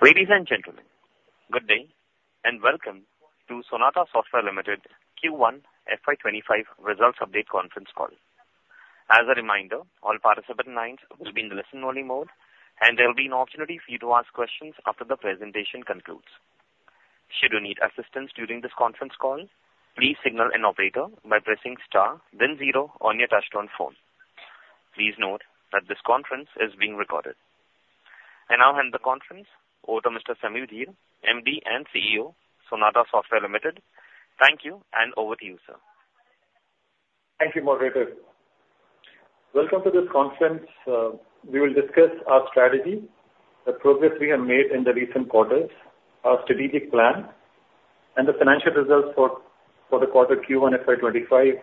Ladies and gentlemen, good day, and welcome to Sonata Software Limited Q1 FY25 Results Update conference call. As a reminder, all participant lines will be in listen-only mode, and there will be an opportunity for you to ask questions after the presentation concludes. Should you need assistance during this conference call, please signal an operator by pressing star, then zero on your touch-tone phone. Please note that this conference is being recorded. I now hand the conference over to Mr. Samir Dhir, MD and CEO, Sonata Software Limited. Thank you, and over to you, sir. Thank you, moderator. Welcome to this conference. We will discuss our strategy, the progress we have made in the recent quarters, our strategic plan, and the financial results for, for the quarter Q1 FY25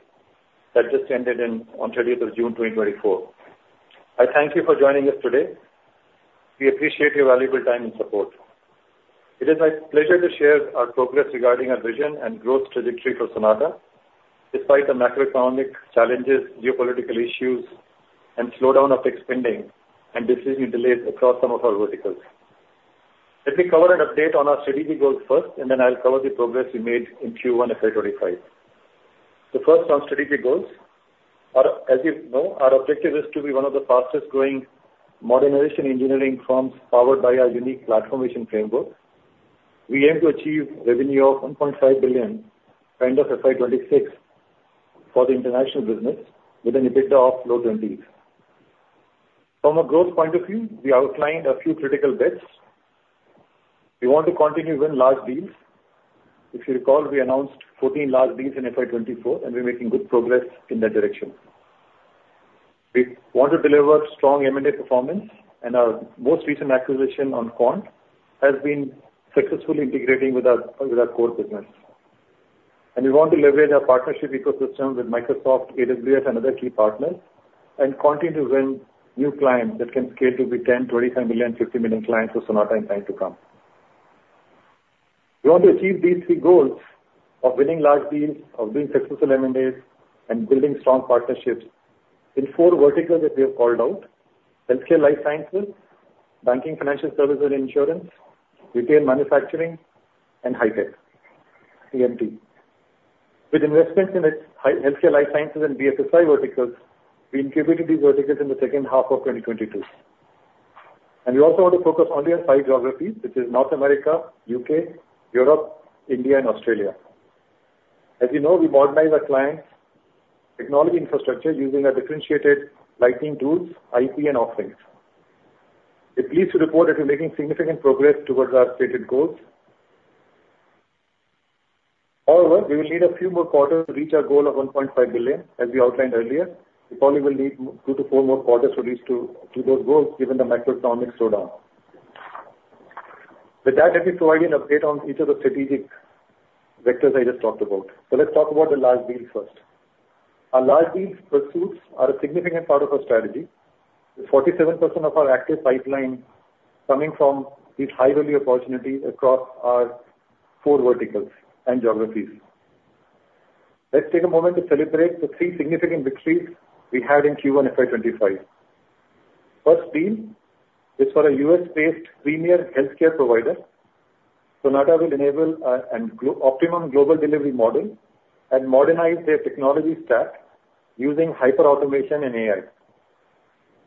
that just ended in on 30th of June, 2024. I thank you for joining us today. We appreciate your valuable time and support. It is my pleasure to share our progress regarding our vision and growth trajectory for Sonata, despite the macroeconomic challenges, geopolitical issues, and slowdown of tech spending and decision delays across some of our verticals. Let me cover an update on our strategic goals first, and then I'll cover the progress we made in Q1 FY25. First, on strategic goals. As you know, our objective is to be one of the fastest growing modernization engineering firms, powered by our unique platform vision framework. We aim to achieve revenue of $1.5 billion end of FY 2026 for the international business, with an EBITDA of low 20s. From a growth point of view, we outlined a few critical bets. We want to continue to win large deals. If you recall, we announced 14 large deals in FY 2024, and we're making good progress in that direction. We want to deliver strong M&A performance, and our most recent acquisition on Quant Systems has been successfully integrating with our core business. We want to leverage our partnership ecosystem with Microsoft, AWS and other key partners, and continue to win new clients that can scale to be $10 million, $25 million, $50 million clients for Sonata in time to come. We want to achieve these three goals of winning large deals, of doing successful M&As, and building strong partnerships in four verticals that we have called out: healthcare life sciences; banking, financial services, and insurance; retail, manufacturing; and high tech, CMT. With investments in its healthcare, life sciences, and BFSI verticals, we incubated these verticals in the second half of 2022. We also want to focus on their five geographies, which is North America, UK, Europe, India, and Australia. As you know, we modernize our clients' technology infrastructure using our differentiated Lightning tools, IP, and offerings. We're pleased to report that we're making significant progress towards our stated goals. However, we will need a few more quarters to reach our goal of $1.5 billion, as we outlined earlier. We probably will need two to four more quarters to reach to those goals, given the macroeconomic slowdown. With that, let me provide an update on each of the strategic vectors I just talked about. So let's talk about the large deals first. Our large deals pursuits are a significant part of our strategy, with 47% of our active pipeline coming from these high-value opportunities across our four verticals and geographies. Let's take a moment to celebrate the three significant victories we had in Q1 FY 2025. First deal is for a U.S.-based premier healthcare provider. Sonata will enable an optimum global delivery model and modernize their technology stack using hyper-automation and AI.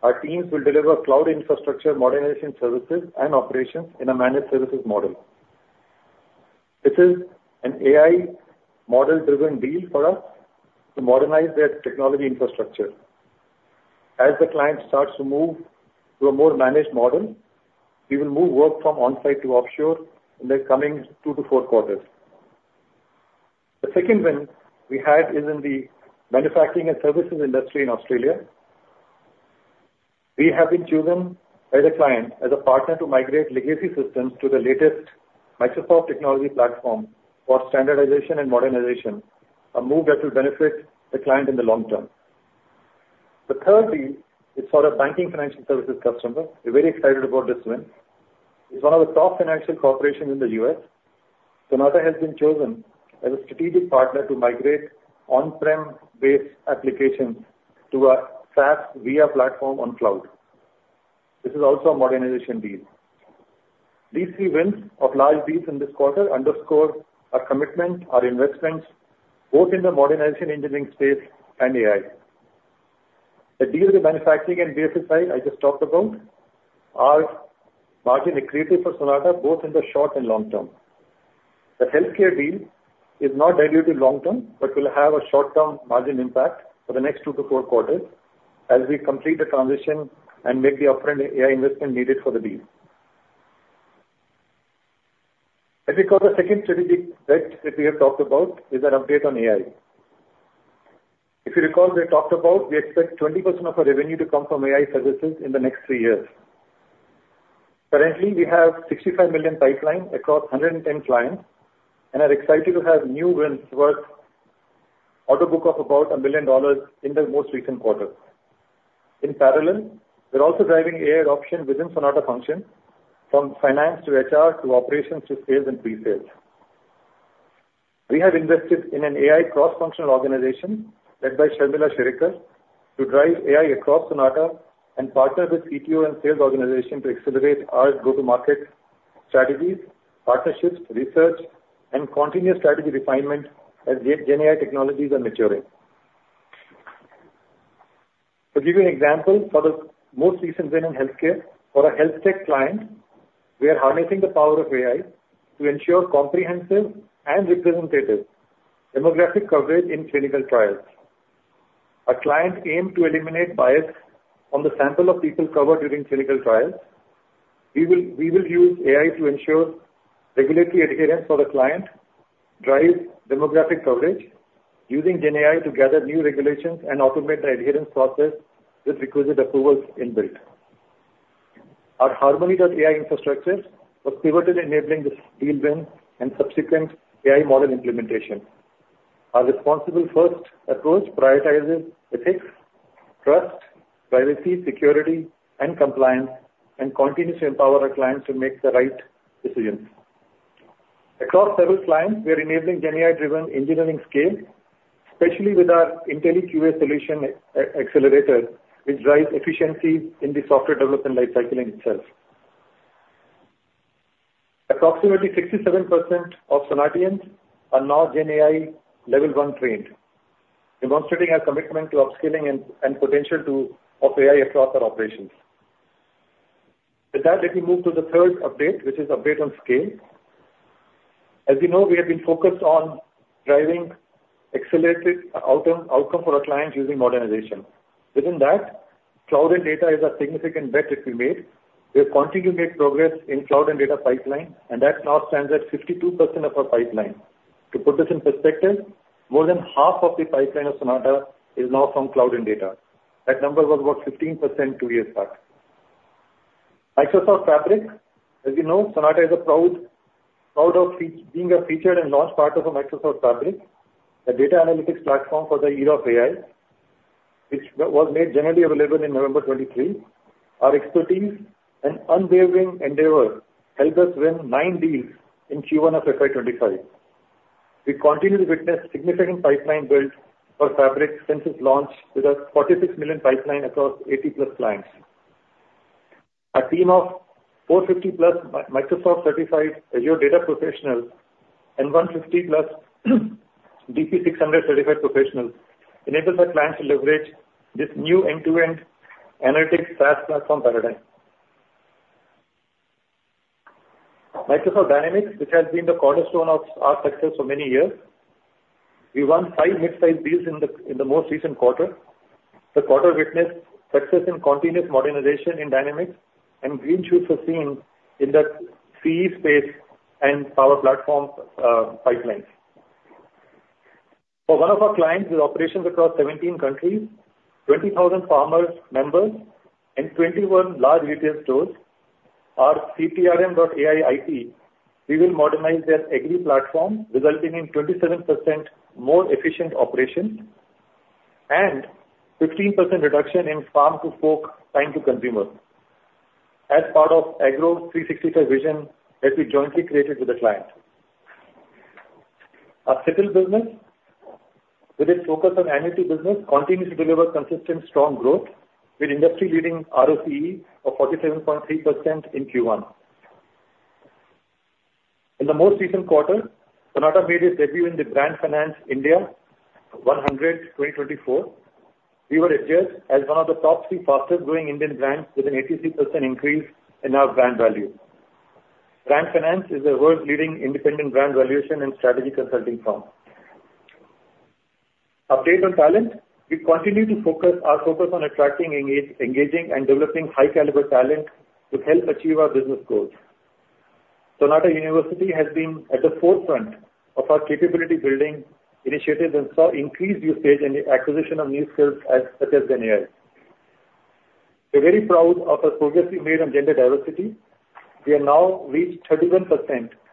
Our teams will deliver cloud infrastructure, modernization services, and operations in a managed services model. This is an AI model-driven deal for us to modernize their technology infrastructure. As the client starts to move to a more managed model, we will move work from on-site to offshore in the coming two to four quarters. The second win we had is in the manufacturing and services industry in Australia. We have been chosen by the client as a partner to migrate legacy systems to the latest Microsoft technology platform for standardization and modernization, a move that will benefit the client in the long term. The third deal is for a banking financial services customer. We're very excited about this win. It's one of the top financial corporations in the U.S. Sonata has been chosen as a strategic partner to migrate on-prem-based applications to a SaaSified platform on cloud. This is also a modernization deal. These three wins of large deals in this quarter underscore our commitment, our investments, both in the Modernization Engineering space and AI. The deals with manufacturing and BFSI I just talked about are margin accretive for Sonata, both in the short and long term. The healthcare deal is not dilutive long term, but will have a short-term margin impact for the next 2-4 quarters as we complete the transition and make the upfront AI investment needed for the deal. Let me cover the second strategic bet that we have talked about is an update on AI. If you recall, we talked about we expect 20% of our revenue to come from AI services in the next 3 years. Currently, we have $65 million pipeline across 110 clients and are excited to have new wins worth order book of about $1 million in the most recent quarter. In parallel, we're also driving AI adoption within Sonata functions, from finance to HR, to operations, to sales and pre-sales.... We have invested in an AI cross functional organization led by Sharmila Sherikar, to drive AI across Sonata and partner with CTO and sales organization to accelerate our go-to-market strategies, partnerships, research, and continuous strategy refinement as Gen AI technologies are maturing. To give you an example, for the most recent win in healthcare, for our health tech client, we are harnessing the power of AI to ensure comprehensive and representative demographic coverage in clinical trials. Our client aims to eliminate bias on the sample of people covered during clinical trials. We will use AI to ensure regulatory adherence for the client, drive demographic coverage using Gen AI to gather new regulations and automate the adherence process with requisite approvals inbuilt. Our Harmony.AI infrastructure was pivotal in enabling this deal win and subsequent AI model implementation. Our responsible first approach prioritizes ethics, trust, privacy, security, and compliance, and continues to empower our clients to make the right decisions. Across several clients, we are enabling Gen AI-driven engineering scale, especially with our IntelliQA solution accelerator, which drives efficiency in the software development lifecycle itself. Approximately 67% of Sonatians are now Gen AI level one trained, demonstrating our commitment to upskilling and potential of AI across our operations. With that, let me move to the third update, which is update on scale. As you know, we have been focused on driving accelerated outcome for our clients using modernization. Within that, cloud and data is a significant bet that we made. We are continuing to make progress in cloud and data pipeline, and that now stands at 52% of our pipeline. To put this in perspective, more than half of the pipeline of Sonata is now from cloud and data. That number was about 15% two years back. Microsoft Fabric. As you know, Sonata is a proud, proud of being a featured and launch partner for Microsoft Fabric, a data analytics platform for the era of AI, which was made generally available in November 2023. Our expertise and unwavering endeavor helped us win 9 deals in Q1 of FY 2025. We continue to witness significant pipeline build for Fabric since its launch, with a $46 million pipeline across 80+ clients. Our team of 450+ Microsoft certified Azure data professionals and 150+ DP-600 certified professionals, enables our clients to leverage this new end-to-end analytics SaaS platform paradigm. Microsoft Dynamics, which has been the cornerstone of our success for many years. We won five mid-sized deals in the most recent quarter. The quarter witnessed success in continuous modernization in Dynamics and green shoots were seen in the CE space and Power Platform pipelines. For one of our clients with operations across 17 countries, 20,000 farmers members, and 21 large retail stores, our CPRM.AI IP, we will modernize their agri-platform, resulting in 27% more efficient operations and 15% reduction in farm to fork time to consumer, as part of Agro365 vision that we jointly created with the client. Our retail business, with its focus on annuity business, continues to deliver consistent strong growth, with industry-leading ROCE of 47.3% in Q1. In the most recent quarter, Sonata made its debut in the Brand Finance India 100 2024. We were adjudged as one of the top three fastest growing Indian brands, with an 83% increase in our brand value. Brand Finance is a world leading independent brand valuation and strategy consulting firm. Update on talent. We continue to focus our focus on attracting, engaging, and developing high caliber talent to help achieve our business goals. Sonata University has been at the forefront of our capability building initiatives and saw increased usage and acquisition of new skills as such as Gen AI. We're very proud of the progress we made on gender diversity. We have now reached 31%,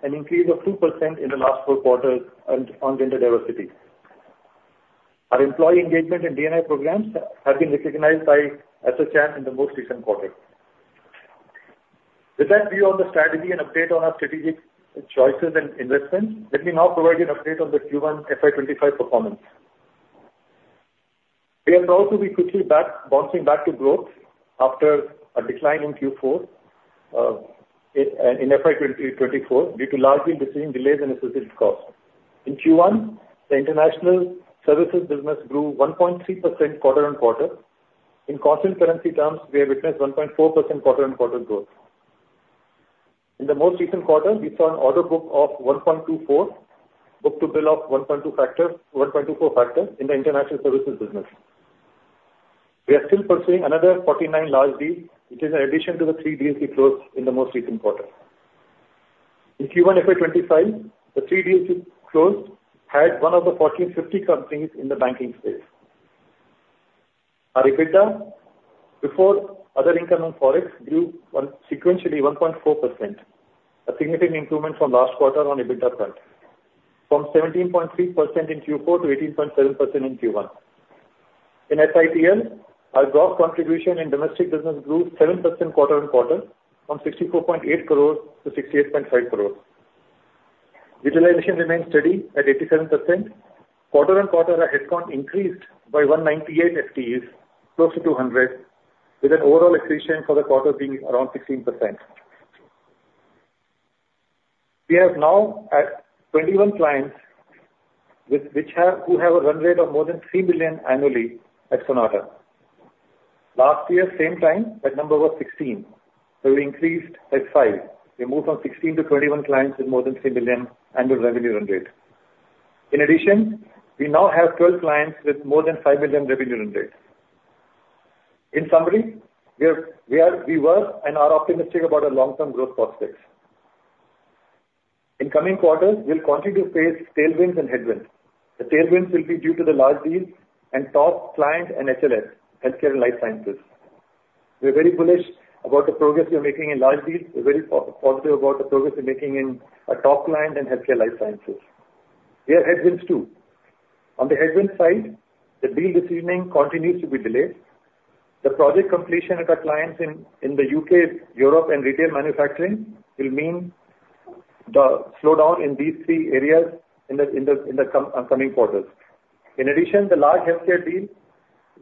an increase of 2% in the last four quarters on gender diversity. Our employee engagement and D&I programs have been recognized by ASSOCHAM or uncertain in the most recent quarter. With that view on the strategy and update on our strategic choices and investments, let me now provide an update on the Q1 FY 2025 performance. We are proud to be quickly back, bouncing back to growth after a decline in Q4 in FY 2024, due to largely between delays and associated costs. In Q1, the international services business grew 1.3% quarter-on-quarter. In constant currency terms, we have witnessed 1.4% quarter-on-quarter growth. In the most recent quarter, we saw an order book of $1.24, book-to-bill of 1.2 factor, 1.24 factor in the international services business. We are still pursuing another 49 large deals, which is an addition to the 3 deals we closed in the most recent quarter. In Q1 FY2025, the three deals we closed had one of the Fortune Fifty companies in the banking space. Our EBITDA, before other income on Forex, grew sequentially 1.4%, a significant improvement from last quarter on EBITDA front, from 17.3% in Q4 to 18.7% in Q1. In SITL, our gross contribution in domestic business grew 7% quarter-over-quarter, from 64.8 crores to 68.5 crores. Utilization remains steady at 87%. Quarter-over-quarter, our headcount increased by 198 FTEs, close to 200, with an overall attrition for the quarter being around 16%. We are now at 21 clients who have a run rate of more than $3 billion annually at Sonata. Last year, same time, that number was 16, so we increased by 5. We moved from 16 to 21 clients with more than $3 billion annual revenue run rate. In addition, we now have 12 clients with more than $5 billion revenue run rate. In summary, we were, and are optimistic about our long-term growth prospects. In coming quarters, we'll continue to face tailwinds and headwinds. The tailwinds will be due to the large deals and top client and HLS, healthcare and life sciences. We are very bullish about the progress we are making in large deals. We're very positive about the progress we're making in our top line in healthcare and life sciences. We have headwinds, too. On the headwinds side, the deal decisioning continues to be delayed. The project completion at our clients in the UK, Europe, and retail manufacturing will mean the slowdown in these three areas in the upcoming quarters. In addition, the large healthcare deal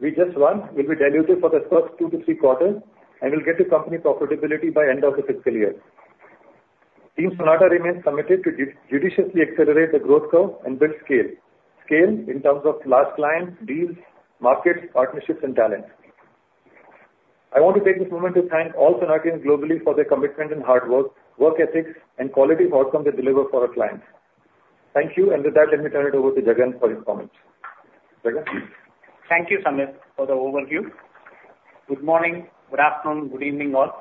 we just won will be dilutive for the first 2-3 quarters and will get to company profitability by end of the fiscal year. Team Sonata remains committed to judiciously accelerate the growth curve and build scale. Scale in terms of large clients, deals, markets, partnerships, and talents. I want to take this moment to thank all Sonatans globally for their commitment and hard work, work ethics, and quality outcomes they deliver for our clients. Thank you, and with that, let me turn it over to Jagan for his comments. Jagan? Thank you, Samir, for the overview. Good morning, good afternoon, good evening, all.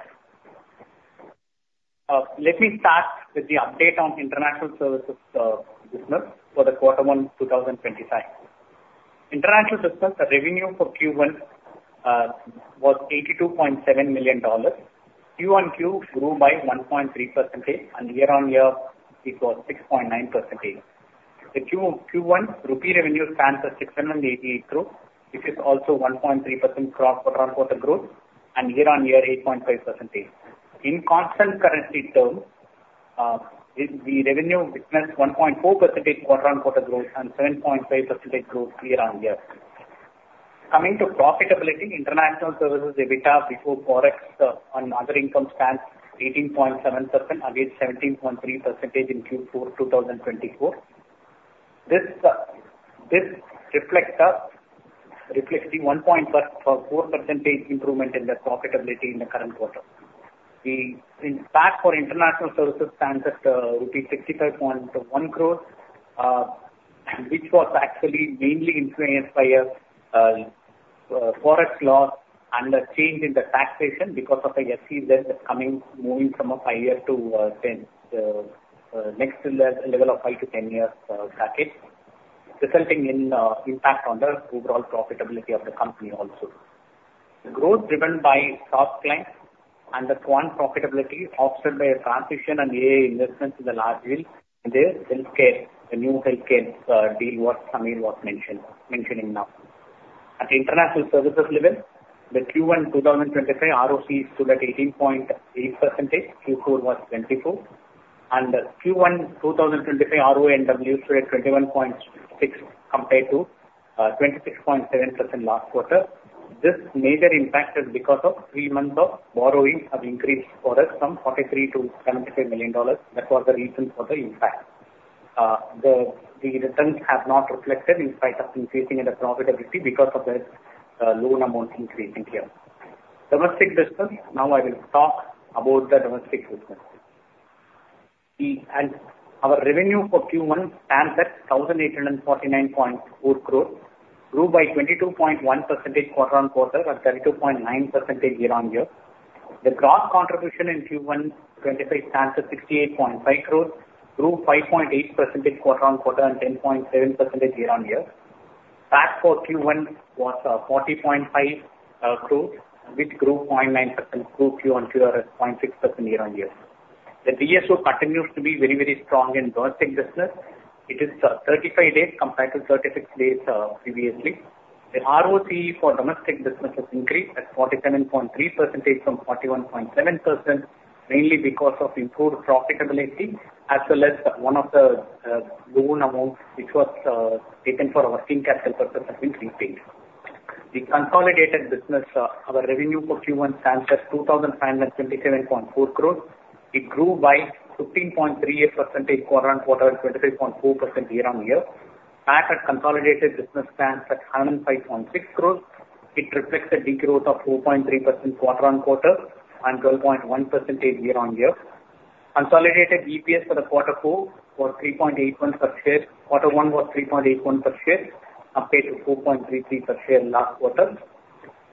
Let me start with the update on international services business for quarter 1, 2025. International business, the revenue for Q1 was $82.7 million. Q-on-Q grew by 1.3%, and year-on-year, it was 6.9%. The Q1 rupee revenue stands at 688 crore, which is also 1.3% growth quarter-on-quarter growth, and year-on-year, 8.5%. In constant currency terms, the revenue witnessed 1.4% quarter-on-quarter growth and 7.5% growth year-on-year. Coming to profitability, international services, EBITDA before Forex and other income stands 18.7% against 17.3% in Q4 2024. This reflects the 1.4% improvement in the profitability in the current quarter. The impact for international services stands at rupees 65.1 crores, which was actually mainly influenced by a Forex loss and a change in the taxation because of the SEZ coming, moving from a 5-year to 10-year bracket, resulting in impact on the overall profitability of the company also. The growth driven by top clients and the Quant Systems profitability, offset by a transition and AI investments in the large deals in the healthcare, the new healthcare deal what Sujit was mentioning now. At the international services level, the Q1 2025 ROCE stood at 18.8%, Q4 was 24%, and Q1 2025 RONW stood at 21.6%, compared to 26.7% last quarter. This major impact is because of three months of borrowing have increased for us from $43 million to $75 million. That was the reason for the impact. The returns have not reflected in spite of increasing in the profitability because of the loan amount increasing here. Domestic business. Now, I will talk about the domestic business. Our revenue for Q1 stands at 1,849.4 crore, grew by 22.1% quarter-on-quarter, and 32.9% year-on-year. The gross contribution in Q1 2025 stands at 68.5 crore, grew 5.8% quarter-on-quarter, and 10.7% year-on-year. Tax for Q1 was forty point five crores, which grew 0.9%, grew Q-on-Q at 0.6% year-on-year. The DSO continues to be very, very strong in domestic business. It is thirty-five days compared to thirty-six days previously. The ROC for domestic business has increased at 47.3% from 41.7%, mainly because of improved profitability, as well as one of the loan amounts, which was taken for our working capital purpose has been repaid. The consolidated business our revenue for Q1 stands at 2,527.4 crore. It grew by 15.38% quarter-on-quarter, and 23.4% year-on-year. Tax at consolidated business stands at 105.6 crore. It reflects a degrowth of 4.3% quarter-on-quarter and 12.1% year-on-year. Consolidated EPS for quarter four was 3.81 per share. Quarter one was 3.81 per share, up by 4.33 per share last quarter.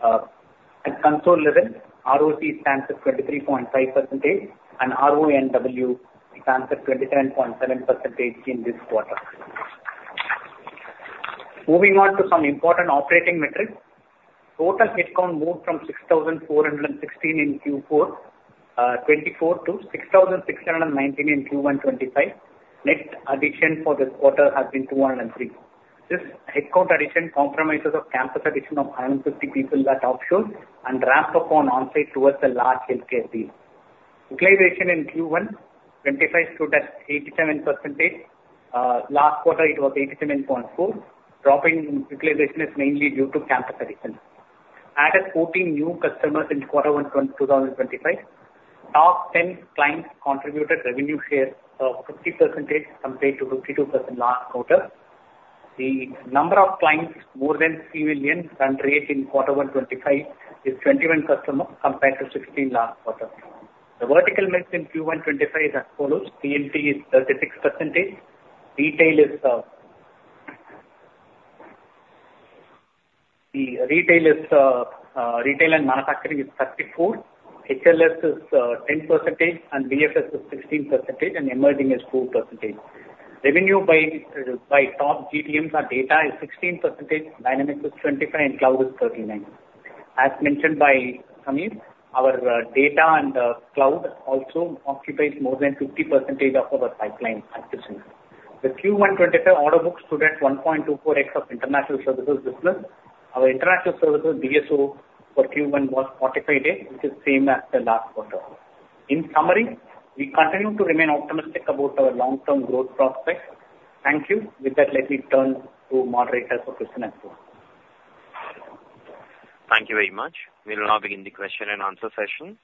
At consolidated level, ROC stands at 23.5%, and RONW stands at 27.7% in this quarter. Moving on to some important operating metrics. Total headcount moved from 6,416 in Q4 2024 to 6,619 in Q1 2025. Net addition for this quarter has been 203. This headcount addition comprises campus addition of 150 people at offshore and ramp-up onsite towards the large healthcare deal. Utilization in Q1 25 stood at 87%, last quarter it was 87.4%. Drop in utilization is mainly due to campus addition. Added 14 new customers in quarter one 2025. Top ten clients contributed revenue share of 50% compared to 52% last quarter. The number of clients more than $3 million run rate in quarter one 25 is 21 customers, compared to 16 last quarter. The vertical mix in Q1 25 is as follows: CMT is 36%, retail and manufacturing is 34%, HLS is 10%, and BFS is 16%, and emerging is 4%. Revenue by top GTMs are data is 16%, Dynamics is 25, and cloud is 39. As mentioned by Samir, our data and cloud also occupies more than 50% of our pipeline at this year. The Q1 2025 order book stood at 1.24x of international services business. Our international services DSO for Q1 was 45 days, which is same as the last quarter. In summary, we continue to remain optimistic about our long-term growth prospects. Thank you. With that, let me turn to moderator for question and answer. Thank you very much. We will now begin the question and answer session.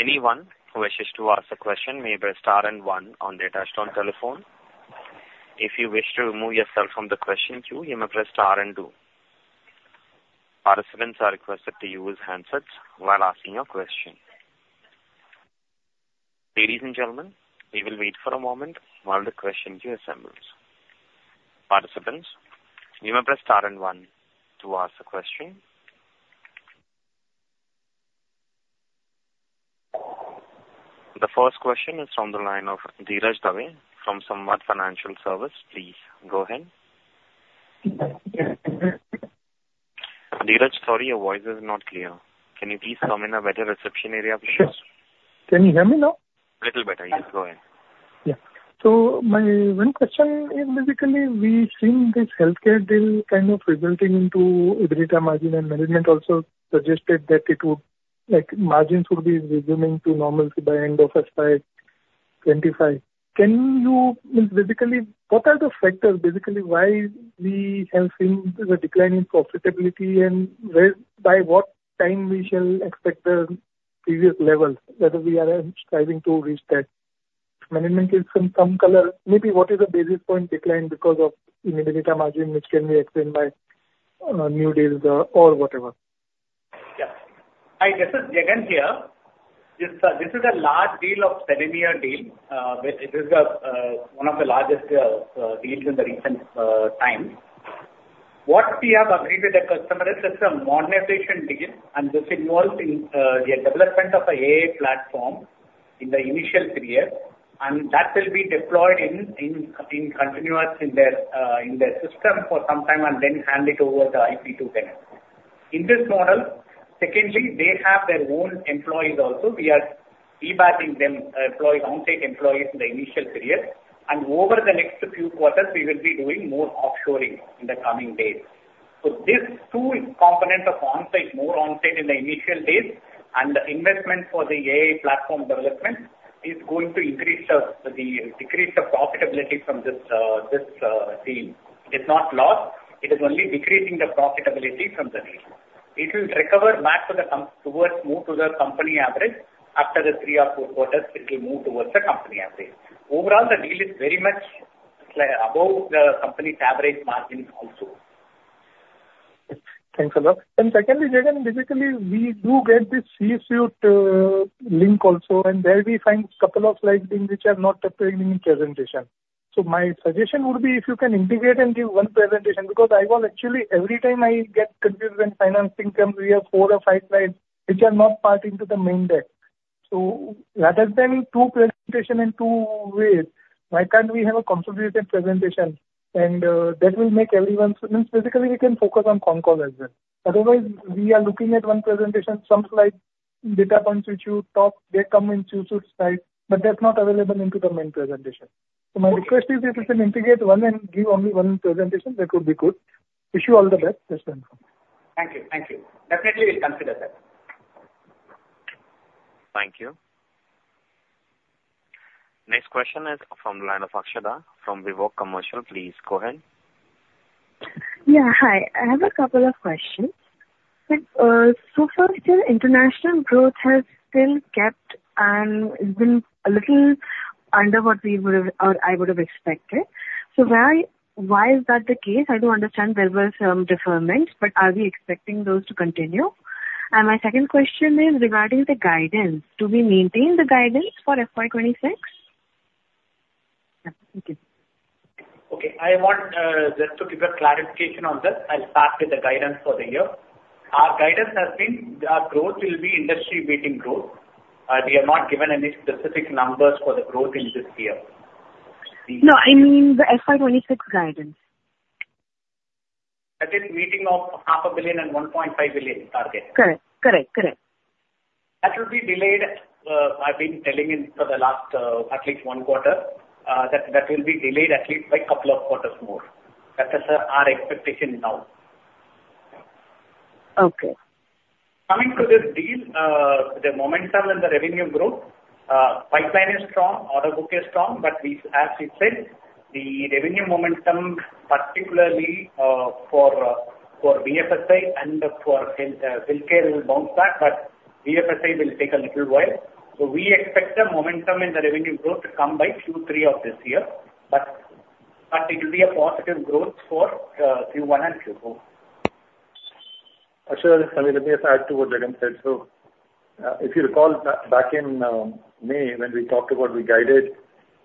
Anyone who wishes to ask a question may press star and one on their touchtone telephone. If you wish to remove yourself from the question queue, you may press star and two. Participants are requested to use handsets while asking your question. Ladies and gentlemen, we will wait for a moment while the question queue assembles. Participants, you may press star and one to ask a question. The first question is from the line of Dheeraj Dave from Samvat Financial Services. Please go ahead. Dheeraj, sorry, your voice is not clear. Can you please come in a better reception area, please? Sure. Can you hear me now? Little better. Yes, go ahead. Yeah. So my one question is, basically, we've seen this healthcare deal kind of resulting into EBITDA margin, and management also suggested that it would... Like, margins would be resuming to normalcy by end of FY 2025. Can you mean, basically, what are the factors, basically, why we have seen the decline in profitability, and where by what time we shall expect the previous levels, whether we are striving to reach that? Management is some color. Maybe what is the basis point decline because of the EBITDA margin, which can be explained by new deals or whatever? Yeah. Hi, this is Jagan here. This is a large deal of seven-year deal, which it is one of the largest deals in the recent time. What we have agreed with the customer is it's a monetization deal, and this involves in the development of an AI platform in the initial three years, and that will be deployed in continuous in their system for some time, and then hand over the IP to them. In this model, secondly, they have their own employees also. We are dispatching them employee, onsite employees in the initial period, and over the next few quarters, we will be doing more offshoring in the coming days. These two components of onsite, more onsite in the initial days and the investment for the AI platform development, are going to increase the, decrease the profitability from this, this deal. It's not lost, it is only decreasing the profitability from the deal. It will recover back to the com- towards more to the company average. After three or four quarters, it will move towards the company average. Overall, the deal is very much, like, above the company's average margin also. Thanks a lot. And secondly, Jagan, basically we do get this C-suite link also, and there we find couple of slide things which are not appearing in your presentation. So my suggestion would be if you can integrate and give one presentation, because I will actually every time I get confused when financing comes, we have four or five slides which are not part into the main deck. So rather than two presentation in two ways, why can't we have a consolidated presentation? And that will make everyone, so means, basically we can focus on concall as well. Otherwise, we are looking at one presentation, some slides, data points which you talk, they come in C-suite slide, but that's not available into the main presentation. So my request is, if you can integrate one and give only one presentation, that would be good. Wish you all the best. Yes, thank you. Thank you. Thank you. Definitely, we'll consider that. Thank you. Next question is from the line of Akshada, from Vivog Commercial. Please go ahead. Yeah, hi. I have a couple of questions. So far still, international growth has still kept and been a little under what we would have or I would have expected. So why, why is that the case? I do understand there were some deferments, but are we expecting those to continue? And my second question is regarding the guidance. Do we maintain the guidance for FY 2026? Yeah. Thank you. Okay. I want just to give a clarification on this. I'll start with the guidance for the year. Our guidance has been, our growth will be industry-leading growth. We have not given any specific numbers for the growth in this year.... No, I mean the FY 2026 guidance. That is meeting of $500 million and $1.5 billion target? Correct. Correct, correct. That will be delayed. I've been telling you for the last at least one quarter that that will be delayed at least by couple of quarters more. That is our expectation now. Okay. Coming to this deal, the momentum and the revenue growth, pipeline is strong, order book is strong, but we, as we said, the revenue momentum, particularly, for, for BFSI and for health, healthcare will bounce back, but BFSI will take a little while. So we expect the momentum in the revenue growth to come by Q3 of this year, but, it will be a positive growth for, Q1 and Q4. Actually, let me just add to what Jagan said. So, if you recall, back in May, when we talked about we guided,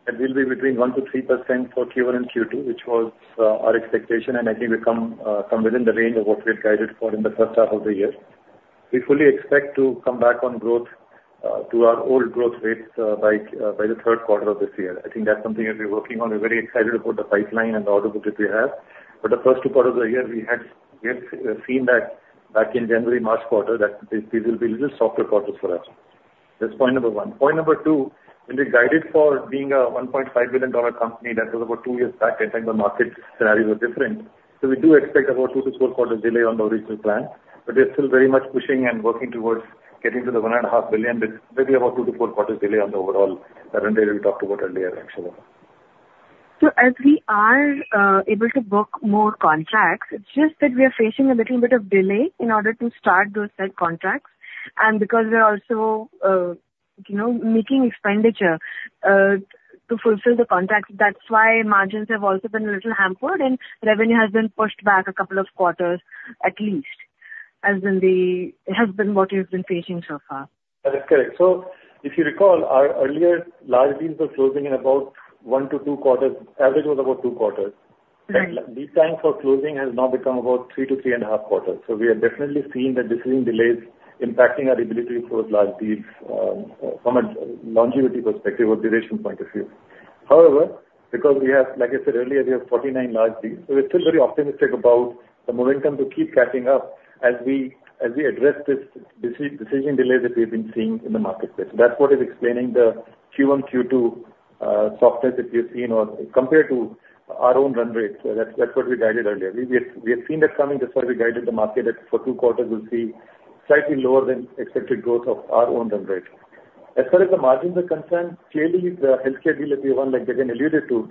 that we'll be between 1%-3% for Q1 and Q2, which was our expectation, and I think we come from within the range of what we had guided for in the first half of the year. We fully expect to come back on growth to our old growth rates by the third quarter of this year. I think that's something that we're working on. We're very excited about the pipeline and the order book that we have. But the first two quarters of the year, we had, we have seen that back in January, March quarter, that these will be little softer quarters for us. That's point number one. Point number two, when we guided for being a $1.5 billion company, that was about two years back, and then the market scenarios were different. So we do expect about 2-4 quarters delay on the original plan, but we're still very much pushing and working towards getting to the $1.5 billion with maybe about 2-4 quarters delay on the overall revenue we talked about earlier, actually. So as we are able to book more contracts, it's just that we are facing a little bit of delay in order to start those said contracts. And because we are also, you know, making expenditure to fulfill the contracts, that's why margins have also been a little hampered and revenue has been pushed back a couple of quarters, at least, as in the... It has been what you've been facing so far. That is correct. So if you recall, our earlier large deals were closing in about 1-2 quarters. Average was about 2 quarters. Right. The time for closing has now become about 3-3.5 quarters. So we are definitely seeing the decision delays impacting our ability to close large deals from a longevity perspective or duration point of view. However, because we have, like I said earlier, we have 49 large deals, so we're still very optimistic about the momentum to keep catching up as we address this decision delay that we've been seeing in the marketplace. That's what is explaining the Q1, Q2 softness that we've seen or compared to our own run rates. So that's what we guided earlier. We have seen that coming. That's why we guided the market that for 2 quarters we'll see slightly lower than expected growth of our own run rate. As far as the margins are concerned, clearly, the healthcare deal that we won, like Jagan alluded to,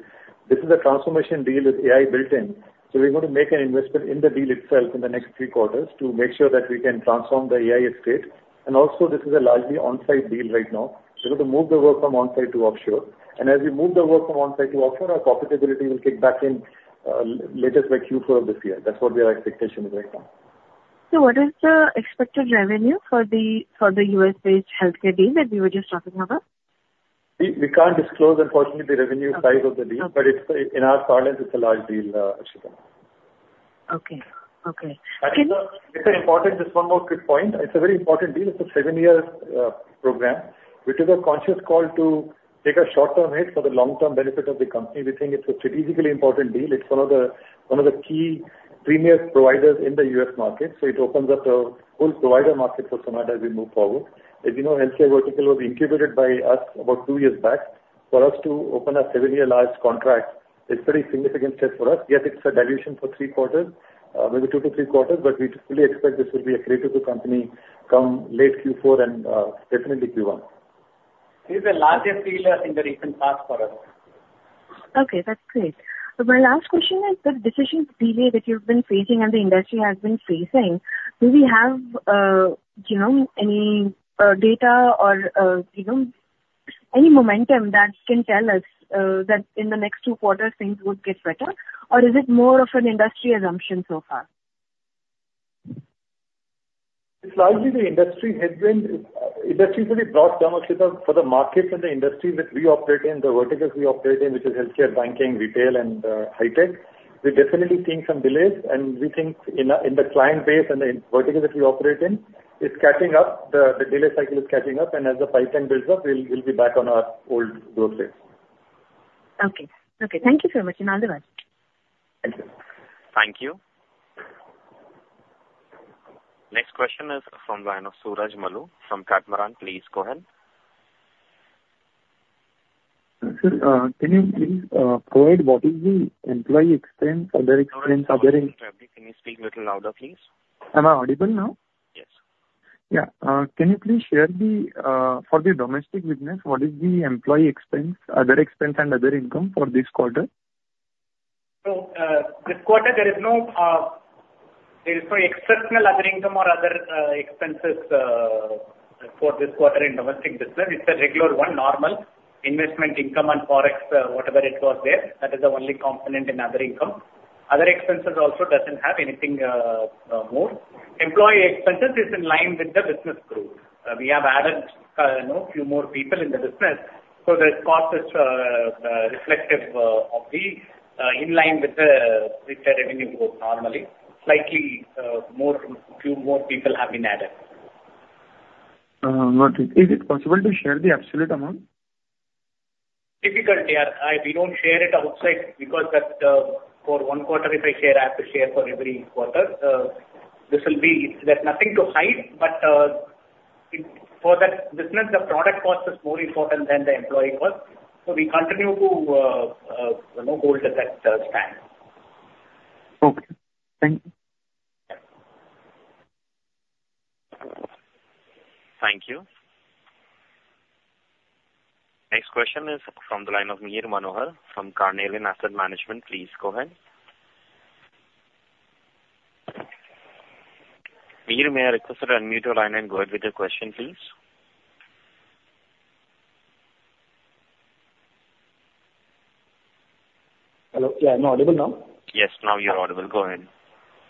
this is a transformation deal with AI built in. So we're going to make an investment in the deal itself in the next three quarters to make sure that we can transform the AI estate. And also, this is a largely on-site deal right now. So we have to move the work from on-site to offshore. And as we move the work from on-site to offshore, our profitability will kick back in, latest by Q4 of this year. That's what our expectation is right now. What is the expected revenue for the USA healthcare deal that we were just talking about? We can't disclose, unfortunately, the revenue size of the deal- Okay. but it's, in our parlance, it's a large deal, Ashika. Okay. Okay. Can- It's an important... Just one more quick point. It's a very important deal. It's a seven-year program. We took a conscious call to take a short-term hit for the long-term benefit of the company. We think it's a strategically important deal. It's one of the, one of the key premier providers in the U.S. market, so it opens up a whole provider market for Sonata as we move forward. As you know, healthcare vertical was incubated by us about two years back. For us to open a seven-year large contract is very significant step for us. Yes, it's a dilution for three quarters, maybe two to three quarters, but we fully expect this will be accretive to company come late Q4 and, definitely Q1. It is the largest deal in the recent past for us. Okay, that's great. So my last question is, the decision delay that you've been facing and the industry has been facing, do we have, you know, any, you know, any momentum that can tell us, that in the next two quarters, things would get better? Or is it more of an industry assumption so far? It's largely the industry headwind. Industry pretty broad, Ashika. For the markets and the industry that we operate in, the verticals we operate in, which is healthcare, banking, retail, and high tech, we're definitely seeing some delays, and we think in the client base and in verticals that we operate in, it's catching up. The delay cycle is catching up, and as the pipeline builds up, we'll be back on our old growth rates. Okay. Okay, thank you so much, and all the best. Thank you. Thank you. Next question is from the line of Suraj Malu, from Catamaran. Please go ahead. Sir, can you please provide what is the employee expense, other expense, other income?... Can you speak a little louder, please? Am I audible now? Yes. Yeah, can you please share the, for the domestic business, what is the employee expense, other expense, and other income for this quarter? So, this quarter, there is no exceptional other income or other expenses for this quarter in domestic business. It's a regular one, normal investment income and Forex, whatever it was there. That is the only component in other income. Other expenses also doesn't have anything more. Employee expenses is in line with the business growth. We have added, you know, few more people in the business, so the cost is reflective of the in line with the revenue growth normally. Slightly more, few more people have been added.... is it possible to share the absolute amount? Difficult here. I, we don't share it outside because that, for one quarter if I share, I have to share for every quarter. This will be, there's nothing to hide, but, it, for that business, the product cost is more important than the employee cost. So we continue to, you know, hold at that, stand. Okay. Thank you. Thank you. Next question is from the line of Mihir Manohar from Carnelian Asset Management. Please go ahead. Mihir, may I request that you unmute your line and go ahead with your question, please? Hello, yeah. Am I audible now? Yes, now you're audible. Go ahead.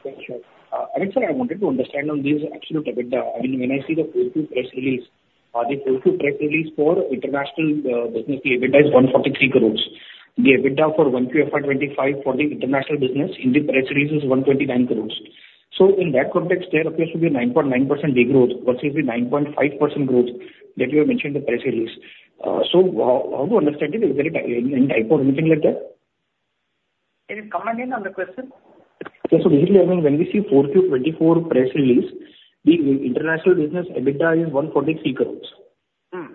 Thank you. And sir, I wanted to understand on this absolute EBITDA. I mean, when I see the full press release, or the full press release for international business, the EBITDA is 143 crore. The EBITDA for 1QFY25 for the international business in the press release is 129 crore. So in that context, there appears to be a 9.9% degrowth versus the 9.5% growth that you have mentioned in the press release. So how, how to understand it? Is there any typo or anything like that? Can you come again on the question? Yes. So basically, I mean, when we see 4Q 2024 press release, the international business EBITDA is 143 crore. Hmm.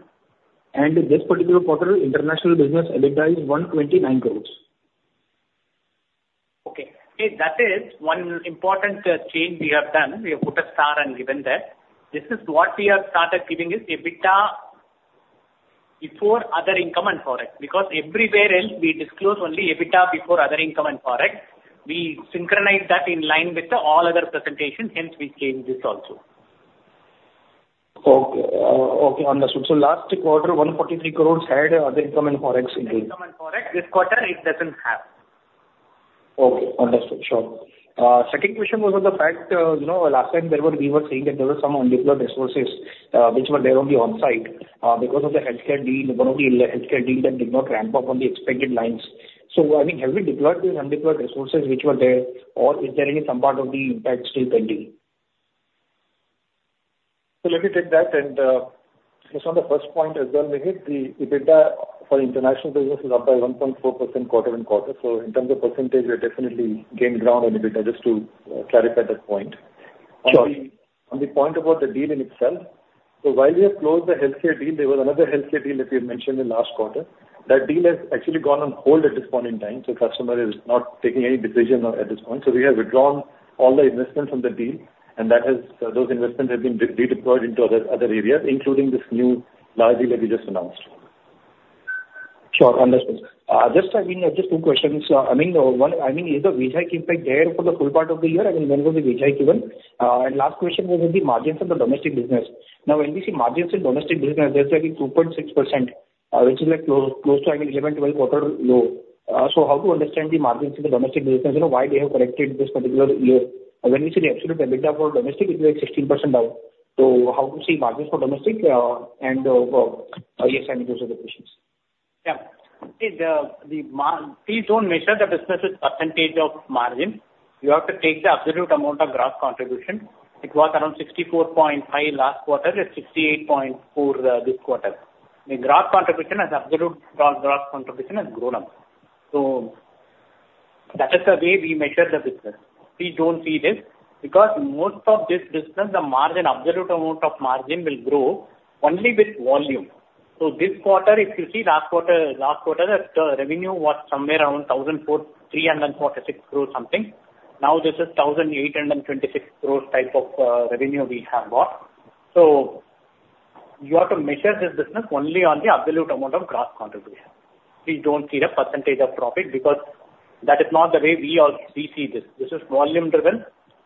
This particular quarter, international business EBITDA is 129 crore. Okay. That is one important change we have done. We have put a star and given that. This is what we have started giving is EBITDA before other income and forex, because everywhere else we disclose only EBITDA before other income and forex. We synchronize that in line with the all other presentations, hence we change this also. Okay. Okay, understood. So last quarter, 143 crore had other income and forex. Income and forex, this quarter, it doesn't have. Okay, understood. Sure. Second question was on the fact, you know, last time we were saying that there were some undeployed resources, which were there on the on-site, because of the healthcare deal, one of the healthcare deal that did not ramp up on the expected lines. So, I mean, have we deployed these undeployed resources which were there, or is there some part of the impact still pending? So let me take that. And, just on the first point as well, Mihir, the EBITDA for international business is up by 1.4% quarter-on-quarter. So in terms of percentage, we have definitely gained ground on EBITDA, just to clarify that point. Sure. On the point about the deal in itself, so while we have closed the healthcare deal, there was another healthcare deal that we had mentioned in last quarter. That deal has actually gone on hold at this point in time, so customer is not taking any decision at this point. So we have withdrawn all the investment from the deal, and those investments have been redeployed into other areas, including this new large deal that we just announced. Sure. Understood. Just, I mean, just two questions. I mean, one, I mean, is the wage hike impact there for the full part of the year? I mean, when will the wage hike given? And last question was on the margins of the domestic business. Now, when we see margins in domestic business, there's only 2.6%, which is like close, close to, I mean, 11-12 quarter low. So how to understand the margins in the domestic business? You know, why they have corrected this particular year? When we see the absolute EBITDA for domestic, it's like 16% down. So how to see margins for domestic, and, yes, and those are the questions. Yeah. Okay, please don't measure the business with percentage of margin. You have to take the absolute amount of gross contribution. It was around 64.5 last quarter, it's 68.4 this quarter. The gross contribution as absolute gross, gross contribution has grown up. So that is the way we measure the business. We don't see this, because most of this business, the margin, absolute amount of margin will grow only with volume. So this quarter, if you see last quarter, the revenue was somewhere around 1,346 crores. Now, this is 1,826 crores type of revenue we have got. So you have to measure this business only on the absolute amount of gross contribution. We don't see the percentage of profit because that is not the way we are, we see this. This is volume-driven,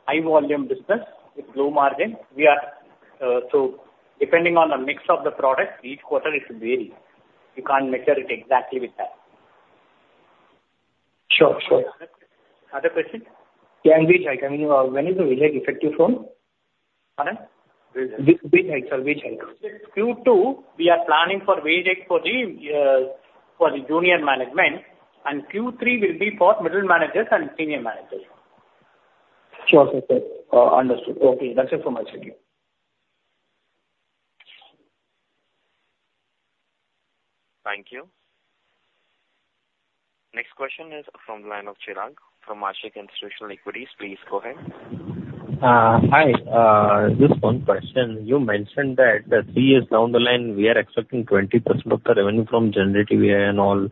high-volume business with low margin. We are, so depending on the mix of the product, each quarter it will vary. You can't measure it exactly with that. Sure, sure. Other question? Yeah, wage hike. I mean, when is the wage hike effective from? Pardon? Wage hike. Sorry, wage hike. Q2, we are planning for wage hike for the junior management, and Q3 will be for middle managers and senior managers. Sure, sir. Understood. Okay, that's it from my side. Thank you. Next question is from the line of Chirag from Kotak Institutional Equities. Please go ahead. Hi. Just one question. You mentioned that three years down the line, we are expecting 20% of the revenue from generative AI and all.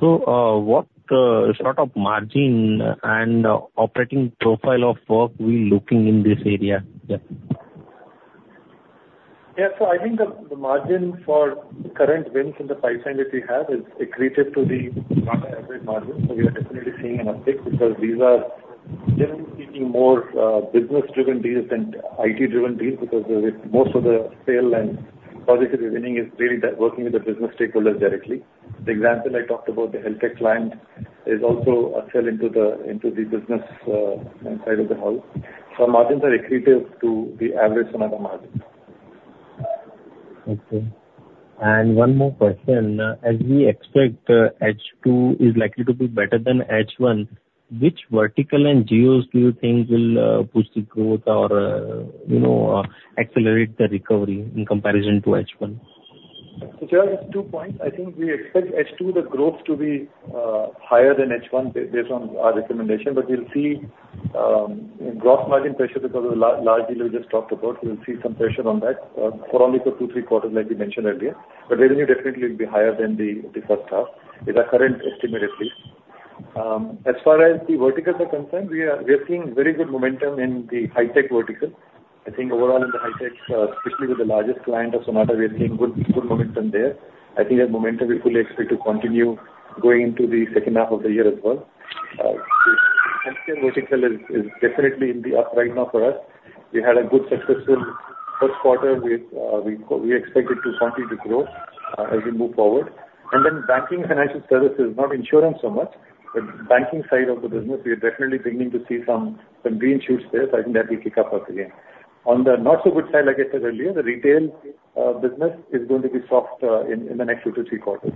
So, what sort of margin and operating profile of work we looking in this area? Yeah. So I think the margin for current wins in the pipeline that we have is accretive to the another average margin. So we are definitely seeing an uptick, because these are, generally speaking, more business-driven deals than IT-driven deals, because most of the sale and projects we're winning is really working with the business stakeholders directly. The example I talked about, the healthcare client, is also a sell into the business side of the house. So margins are accretive to the average another margin. Okay. One more question. As we expect, H2 is likely to be better than H1, which vertical and geos do you think will push the growth or, you know, accelerate the recovery in comparison to H1? So there are two points. I think we expect H2, the growth to be higher than H1, based on our recommendation. But we'll see gross margin pressure because of the large deal we just talked about. We'll see some pressure on that for only two, three quarters, like we mentioned earlier. But revenue definitely will be higher than the first half, with our current estimate at least. As far as the verticals are concerned, we are seeing very good momentum in the high tech vertical. I think overall in the high tech, especially with the largest client of Sonata, we are seeing good momentum there. I think that momentum we fully expect to continue going into the second half of the year as well. Vertical is definitely in the upright now for us. We had a good successful first quarter with we expect it to continue to grow as we move forward. And then banking and financial services, not insurance so much, but banking side of the business, we are definitely beginning to see some green shoots there. I think that will kick up again. On the not so good side, like I said earlier, the retail business is going to be soft in the next two to three quarters.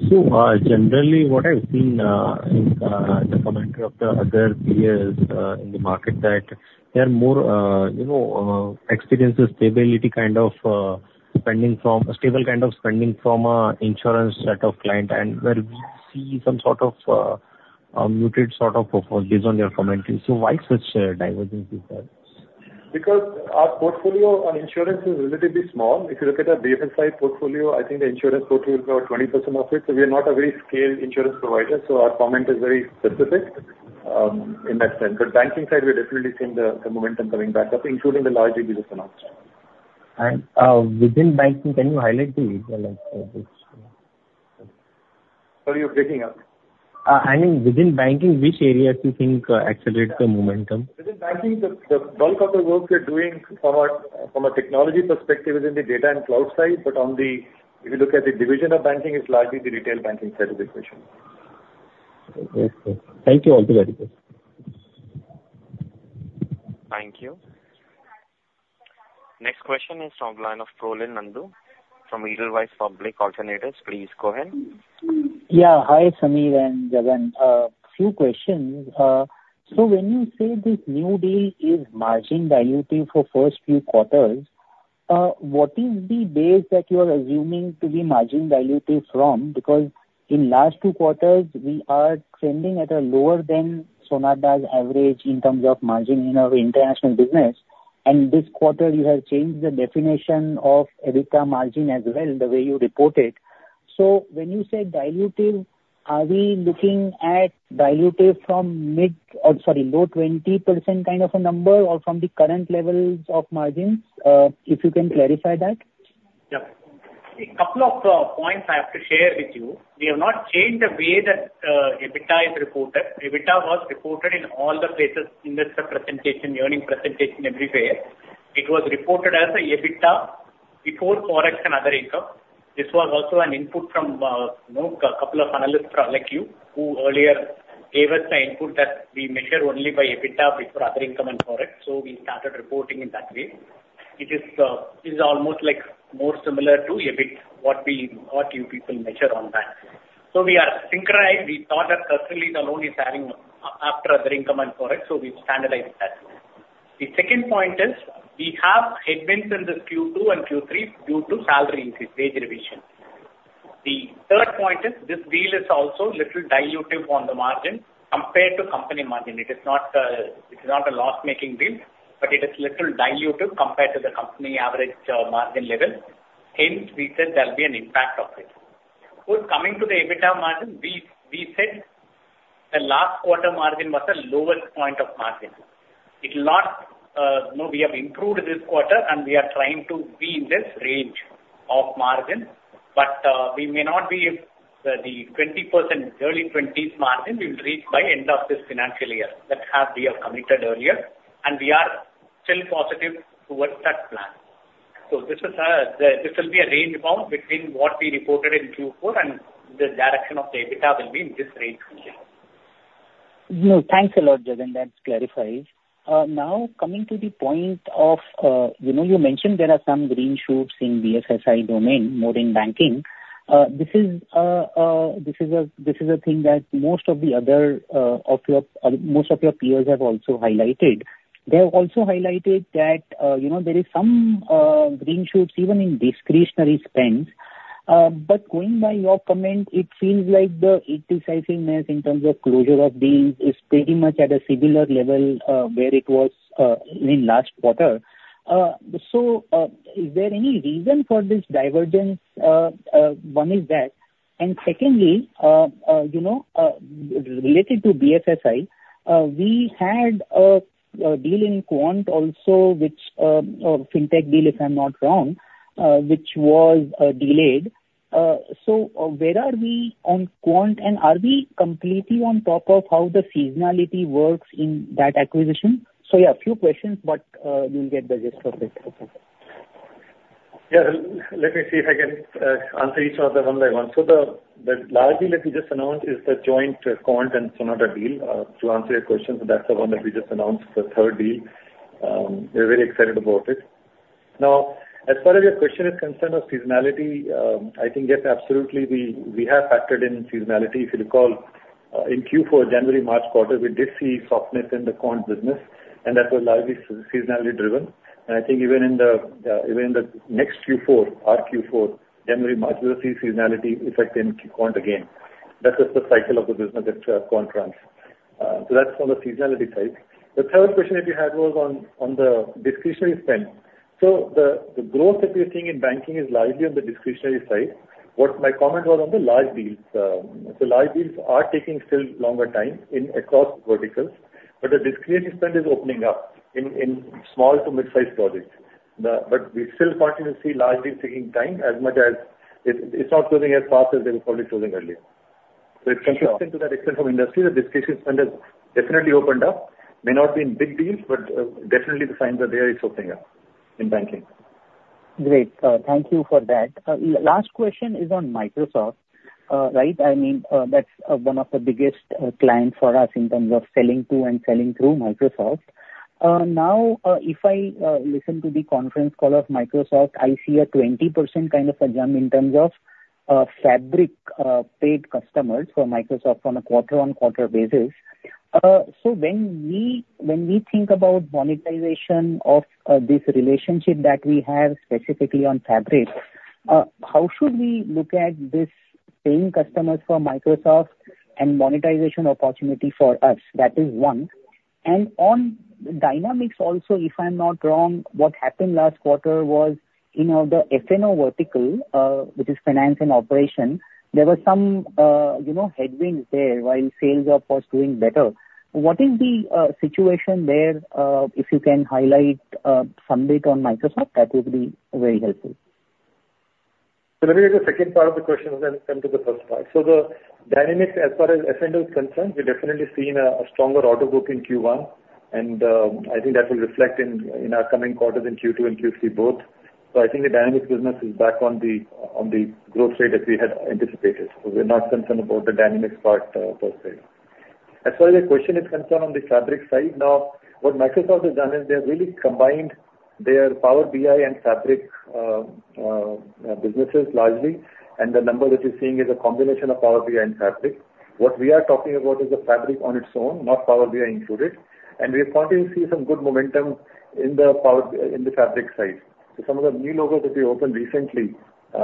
Generally, what I've seen in the commentary of the other peers in the market, that they are more, you know, experiencing stability kind of spending from a stable kind of spending from an insurance set of client, and where we see some sort of a muted sort of profile based on your commentary. So why such a divergence with that? Because our portfolio on insurance is relatively small. If you look at our BFSI portfolio, I think the insurance portfolio is about 20% of it. So we are not a very scaled insurance provider, so our comment is very specific, in that sense. But banking side, we are definitely seeing the, the momentum coming back up, including the large business announcement. Within banking, can you highlight the Sorry, you're breaking up. I mean, within banking, which areas you think accelerate the momentum? Within banking, the bulk of the work we're doing from a technology perspective is in the data and cloud side. But on the... If you look at the division of banking, it's largely the retail banking side of the equation. Okay. Thank you. All clear. Thank you. Next question is from the line of Parin Nandu from Edelweiss Alternative Asset Advisors. Please go ahead. Yeah. Hi, Samir and Jagan. A few questions. So when you say this new deal is margin dilutive for first few quarters, what is the base that you are assuming to be margin dilutive from? Because in last two quarters, we are trending at a lower than Sonata's average in terms of margin in our international business. And this quarter, you have changed the definition of EBITDA margin as well, the way you report it. So when you say dilutive, are we looking at dilutive from mid... Oh, sorry, low 20% kind of a number, or from the current levels of margins? If you can clarify that. Yeah. A couple of points I have to share with you. We have not changed the way that EBITDA is reported. EBITDA was reported in all the places, investor presentation, earnings presentation, everywhere. It was reported as EBITDA before Forex and other income. This was also an input from, you know, a couple of analysts like you, who earlier gave us the input that we measure only by EBITDA before other income and Forex. So we started reporting in that way. It is almost like more similar to EBIT, what we, what you people measure on that. So we are synchronized. We thought that P&L is having after other income and Forex, so we've standardized that. The second point is, we have headwinds in this Q2 and Q3 due to salary increase, wage revision. The third point is, this deal is also little dilutive on the margin compared to company margin. It is not, it is not a loss-making deal, but it is little dilutive compared to the company average, margin level. Hence, we said there will be an impact of it. So coming to the EBITDA margin, we, we said the last quarter margin was the lowest point of margin. It will not, you know, we have improved this quarter, and we are trying to be in this range of margin, but, we may not be at the 20%, early 20s% margin we will reach by end of this financial year. That we have committed earlier, and we are still positive towards that plan. So this is, this will be a range bound between what we reported in Q4 and the direction of the EBITDA will be in this range from here. No, thanks a lot, Jagan. That's clarified. Now, coming to the point of, you know, you mentioned there are some green shoots in BFSI domain, more in banking. This is a thing that most of the other of your most of your peers have also highlighted. They have also highlighted that, you know, there is some green shoots even in discretionary spends. But going by your comment, it seems like the decisiveness in terms of closure of deals is pretty much at a similar level, where it was in last quarter. So, is there any reason for this divergence? One is that, and secondly, you know, related to BFSI, we had a deal in Quant Systems also, which, or Fintech deal, if I'm not wrong, which was delayed. So, where are we on Quant Systems, and are we completely on top of how the seasonality works in that acquisition? So yeah, a few questions, but, you'll get the gist of it. Yeah. Let me see if I can answer each of them one by one. So the large deal that we just announced is the joint Quant Systems and Sonata deal. To answer your question, so that's the one that we just announced, the third deal. We're very excited about it.... Now, as far as your question is concerned of seasonality, I think, yes, absolutely, we have factored in seasonality. If you recall, in Q4, January-March quarter, we did see softness in the Quant Systems business, and that was largely seasonality driven. And I think even in the next Q4, our Q4, January-March, we'll see seasonality effect in Quant Systems again. That's just the cycle of the business that Quant Systems runs. So that's on the seasonality side. The third question that you had was on the discretionary spend. So the growth that we are seeing in banking is largely on the discretionary side. What my comment was on the large deals. So large deals are taking still longer time across verticals, but the discretionary spend is opening up in small to mid-size projects. But we still continuously largely taking time as much as... It's not closing as fast as they were probably closing earlier. So in addition to that extent from industry, the discretionary spend has definitely opened up. May not be in big deals, but definitely the signs are there, it's opening up in banking. Great. Thank you for that. Last question is on Microsoft. Right? I mean, that's one of the biggest clients for us in terms of selling to and selling through Microsoft. Now, if I listen to the conference call of Microsoft, I see a 20% kind of a jump in terms of Fabric paid customers for Microsoft on a quarter-on-quarter basis. So when we think about monetization of this relationship that we have specifically on Fabric, how should we look at this paying customers for Microsoft and monetization opportunity for us? That is one. On Dynamics also, if I'm not wrong, what happened last quarter was, you know, the F&O vertical, which is finance and operations, there were some, you know, headwinds there, while sales were of course doing better. What is the situation there? If you can highlight some data on Microsoft, that would be very helpful. So let me read the second part of the question and then come to the first part. So the Dynamics, as far as F&O is concerned, we're definitely seeing a stronger order book in Q1, and I think that will reflect in our coming quarters in Q2 and Q3 both. So I think the Dynamics business is back on the growth rate that we had anticipated. So we're not concerned about the Dynamics part per se. As far as your question is concerned on the Fabric side, now, what Microsoft has done is they have really combined their Power BI and Fabric businesses largely, and the number that you're seeing is a combination of Power BI and Fabric. What we are talking about is the Fabric on its own, not Power BI included. We continue to see some good momentum in the Power, in the Fabric side. So some of the new logos that we opened recently,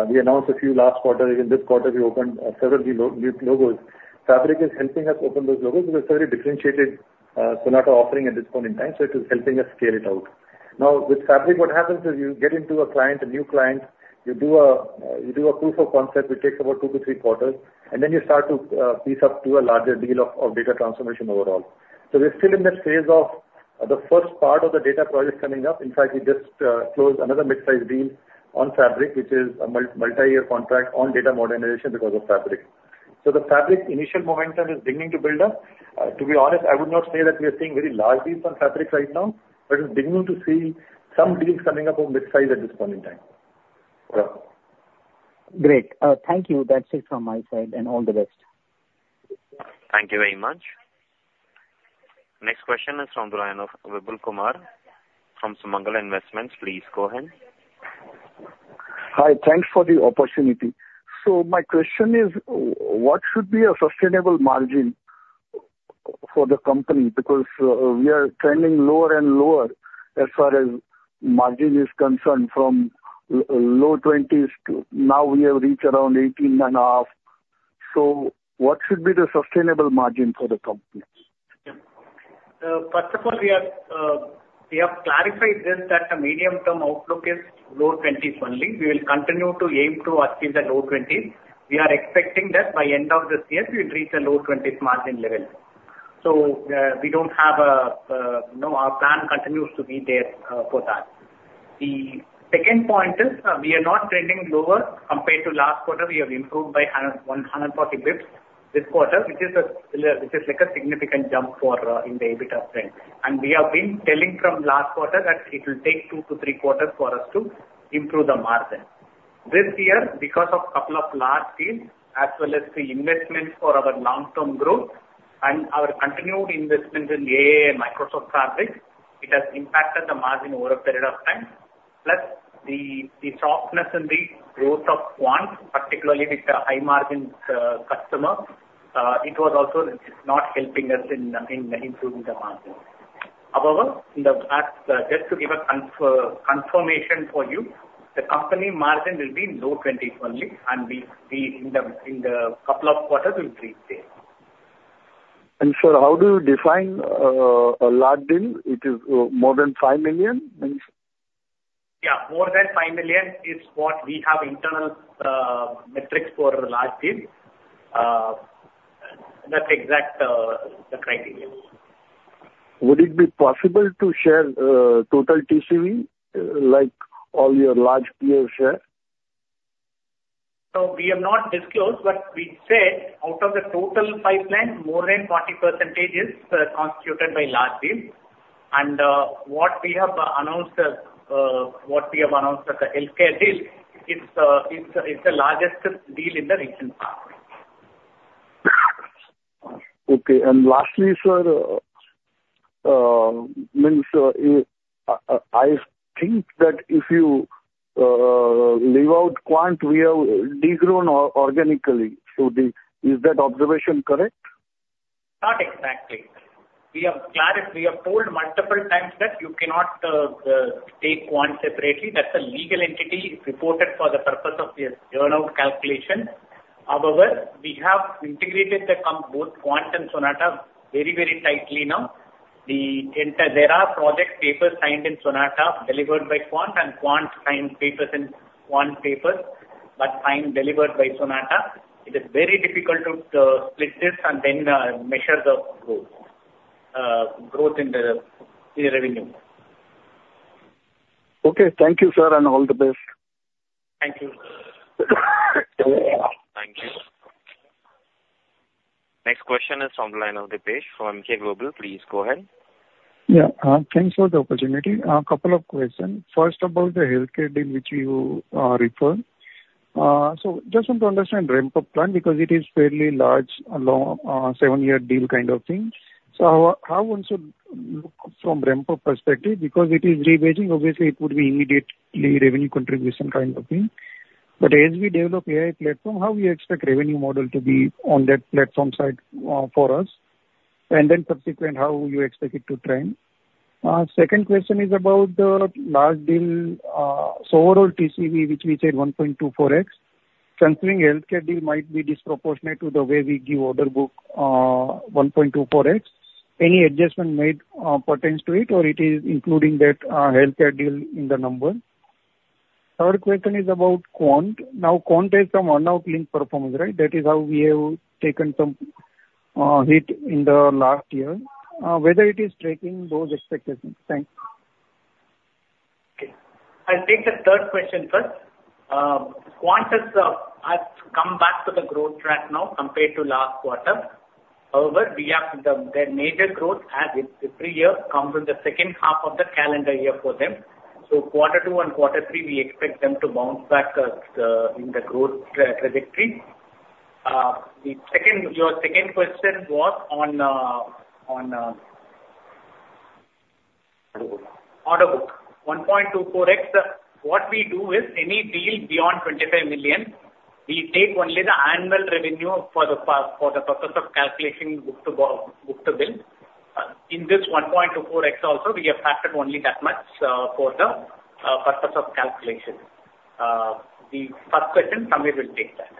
we announced a few last quarter. In this quarter, we opened several new logos. Fabric is helping us open those logos with a very differentiated Sonata offering at this point in time, so it is helping us scale it out. Now, with Fabric, what happens is you get into a client, a new client, you do a proof of concept, which takes about two to three quarters, and then you start to piece up to a larger deal of data transformation overall. So we're still in that phase of the first part of the data project coming up. In fact, we just closed another mid-size deal on Fabric, which is a multi-year contract on data modernization because of Fabric. So the Fabric initial momentum is beginning to build up. To be honest, I would not say that we are seeing very large deals on Fabric right now, but it's beginning to see some deals coming up on mid-size at this point in time. Great. Thank you. That's it from my side, and all the best. Thank you very much. Next question is from the line of Vibhu Kumar from Sumangal Investment. Please go ahead. Hi. Thanks for the opportunity. So my question is, what should be a sustainable margin for the company? Because, we are trending lower and lower as far as margin is concerned, from low 20s to now we have reached around 18.5. So what should be the sustainable margin for the company? First of all, we have clarified this, that the medium-term outlook is low 20s only. We will continue to aim to achieve the low 20s. We are expecting that by end of this year, we will reach a low 20s margin level. So, we don't have a... No, our plan continues to be there, for that. The second point is, we are not trending lower. Compared to last quarter, we have improved by 100, 100+ basis points this quarter, which is, which is like a significant jump for, in the EBITDA trend. And we have been telling from last quarter that it will take 2-3 quarters for us to improve the margin. This year, because of couple of large deals, as well as the investments for our long-term growth and our continued investments in AI and Microsoft Fabric, it has impacted the margin over a period of time. Plus, the softness in the growth of Quant, particularly with the high-margin customer, it was also not helping us in improving the margin. However, in the past, just to give a confirmation for you, the company margin will be in low twenties only, and we in the couple of quarters will reach there. Sir, how do you define a large deal? It is more than 5 million, means? Yeah, more than $5 million is what we have internal metrics for large deals. That's exact the criteria. Would it be possible to share, total TCV, like all your large deals share? So we have not disclosed, but we said out of the total pipeline, more than 40% is constituted by large deals. What we have announced at the healthcare deal, it's the largest deal in the recent past.... Okay. Lastly, sir, I mean, I think that if you leave out Quant Systems, we have de-grown organically. So, is that observation correct? Not exactly. We have clarified, we have told multiple times that you cannot take Quant Systems separately. That's a legal entity reported for the purpose of the earn-out calculation. However, we have integrated both Quant Systems and Sonata very, very tightly now. There are project papers signed in Sonata, delivered by Quant Systems, and Quant Systems signed papers in Quant Systems papers, but signed, delivered by Sonata. It is very difficult to split this and then measure the growth, growth in the, the revenue. Okay. Thank you, sir, and all the best. Thank you. Thank you. Next question is on the line of Dipesh from Emkay Global Financial Services. Please go ahead. Yeah. Thanks for the opportunity. A couple of questions. First, about the healthcare deal which you referred. So just want to understand ramp-up plan, because it is fairly large, a long seven-year deal kind of thing. So how one should look from ramp-up perspective? Because it is rebidding, obviously it would be immediately revenue contribution kind of thing. But as we develop AI platform, how we expect revenue model to be on that platform side for us, and then subsequent, how you expect it to trend? Second question is about the large deal. So overall TCV, which we said 1.24x, considering healthcare deal might be disproportionate to the way we give order book, 1.24x. Any adjustment made pertains to it, or it is including that healthcare deal in the number? Third question is about Quant Systems. Now, Quant Systems has some earn-out linked performance, right? That is how we have taken some hit in the last year. Whether it is tracking those expectations? Thanks. Okay. I'll take the third question first. Quant Systems has come back to the growth track now compared to last quarter. However, their major growth, as with every year, comes in the second half of the calendar year for them. So quarter two and quarter three, we expect them to bounce back in the growth trajectory. Your second question was on... Order Book. Order Book. 1.24x, what we do is, any deal beyond 25 million, we take only the annual revenue for the purpose of calculating book-to-bill. In this 1.24x also, we have factored only that much, for the purpose of calculation. The first question, Samir will take that.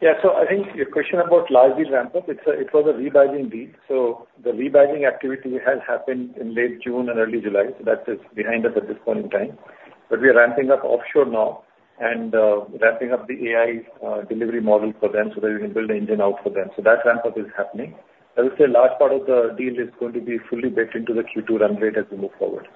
Yeah. So I think your question about large deal ramp-up, it's a, it was a rebidding deal, so the rebidding activity has happened in late June and early July. So that is behind us at this point in time. But we are ramping up offshore now and, ramping up the AI, delivery model for them, so that we can build engine out for them. So that ramp-up is happening. I would say a large part of the deal is going to be fully baked into the Q2 run rate as we move forward.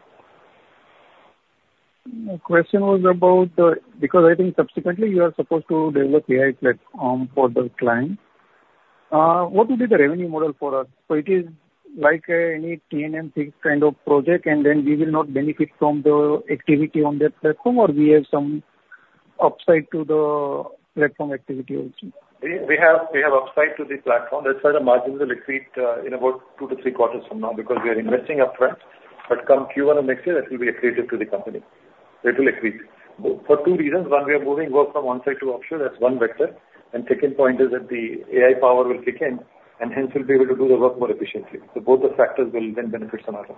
My question was about the... Because I think subsequently you are supposed to develop AI platform for the client. What will be the revenue model for us? So it is like, any T&M thing kind of project, and then we will not benefit from the activity on that platform, or we have some upside to the platform activity also? We have upside to the platform. That's why the margins will accrete in about two to three quarters from now, because we are investing upfront. But come Q1 of next year, that will be accretive to the company. It will accrete. For two reasons, one, we are moving work from on-site to offshore. That's one vector. And second point is that the AI power will kick in, and hence we'll be able to do the work more efficiently. So both the factors will then benefit Sonata.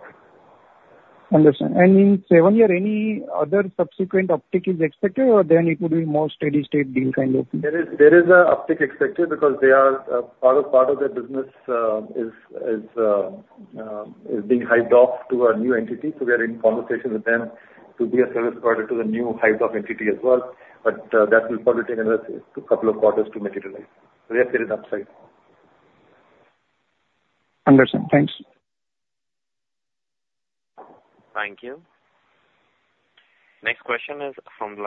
Understood. In seven years, any other subsequent uptick is expected, or then it would be more steady-state deal kind of thing? There is an uptick expected because they are part of their business is being hived off to a new entity. So we are in conversations with them to be a service provider to the new hived off entity as well. But that will probably take another two, couple of quarters to materialize. We have created upside. Understand. Thanks. Thank you. Next question is from the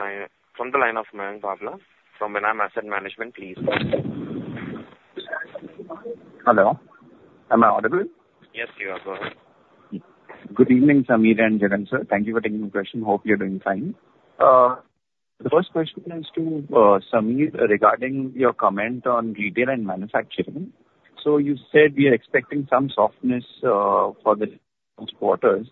line of Mayank Babla from Mirae Asset Capital Markets. Please. Hello, am I audible? Yes, you are. Go ahead. Good evening, Samir and Jagannathan, sir. Thank you for taking the question. Hope you're doing fine. The first question is to Samir, regarding your comment on retail and manufacturing. So you said we are expecting some softness for the next quarters.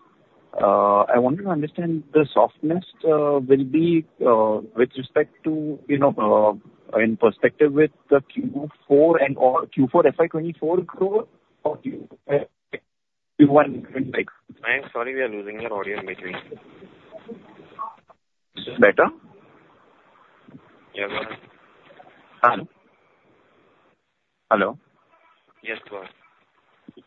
I wanted to understand the softness will be with respect to, you know, in perspective with the Q4 and/or Q4 FY 2024 growth or Q1? Mayank, sorry, we are losing your audio midway. Better? Yeah, go ahead. Uh, hello? Yes, go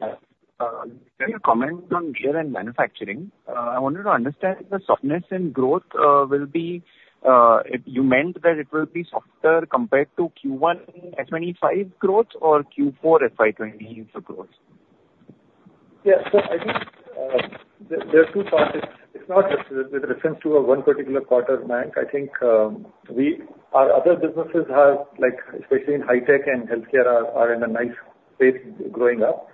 ahead. Can you comment on retail and manufacturing? I wanted to understand the softness in growth, will be, you meant that it will be softer compared to Q1 FY25 growth or Q4 FY24 growth? Yeah. So I think, there are two parts. It's not just with reference to one particular quarter, Mayank. I think, we... Our other businesses have, like especially in high tech and healthcare, are in a nice space growing up.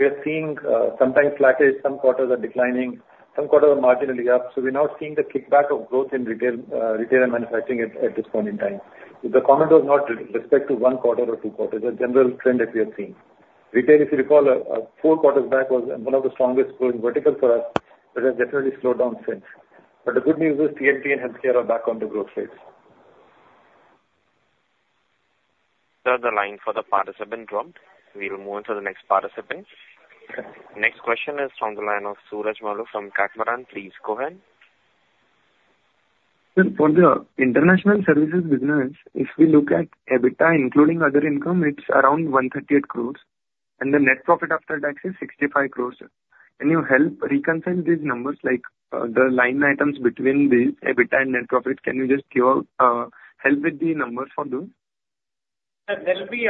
We are seeing, sometimes sluggish, some quarters are declining, some quarters are marginally up. So we're now seeing the kickback of growth in retail, retail and manufacturing at this point in time. The comment was not with respect to one quarter or two quarters, a general trend that we are seeing. Retail, if you recall, four quarters back was one of the strongest growing vertical for us, but has definitely slowed down since. But the good news is, TTH and healthcare are back on the growth phase. Sir, the line for the participant dropped. We'll move on to the next participant. Next question is from the line of Suraj Malu from Catamaran. Please go ahead. Sir, for the international services business, if we look at EBITDA, including other income, it's around 138 crore, and the net profit after tax is 65 crore, sir. Can you help reconcile these numbers, like, the line items between the EBITDA and net profit? Can you just give, help with the numbers for those? Sir, there will be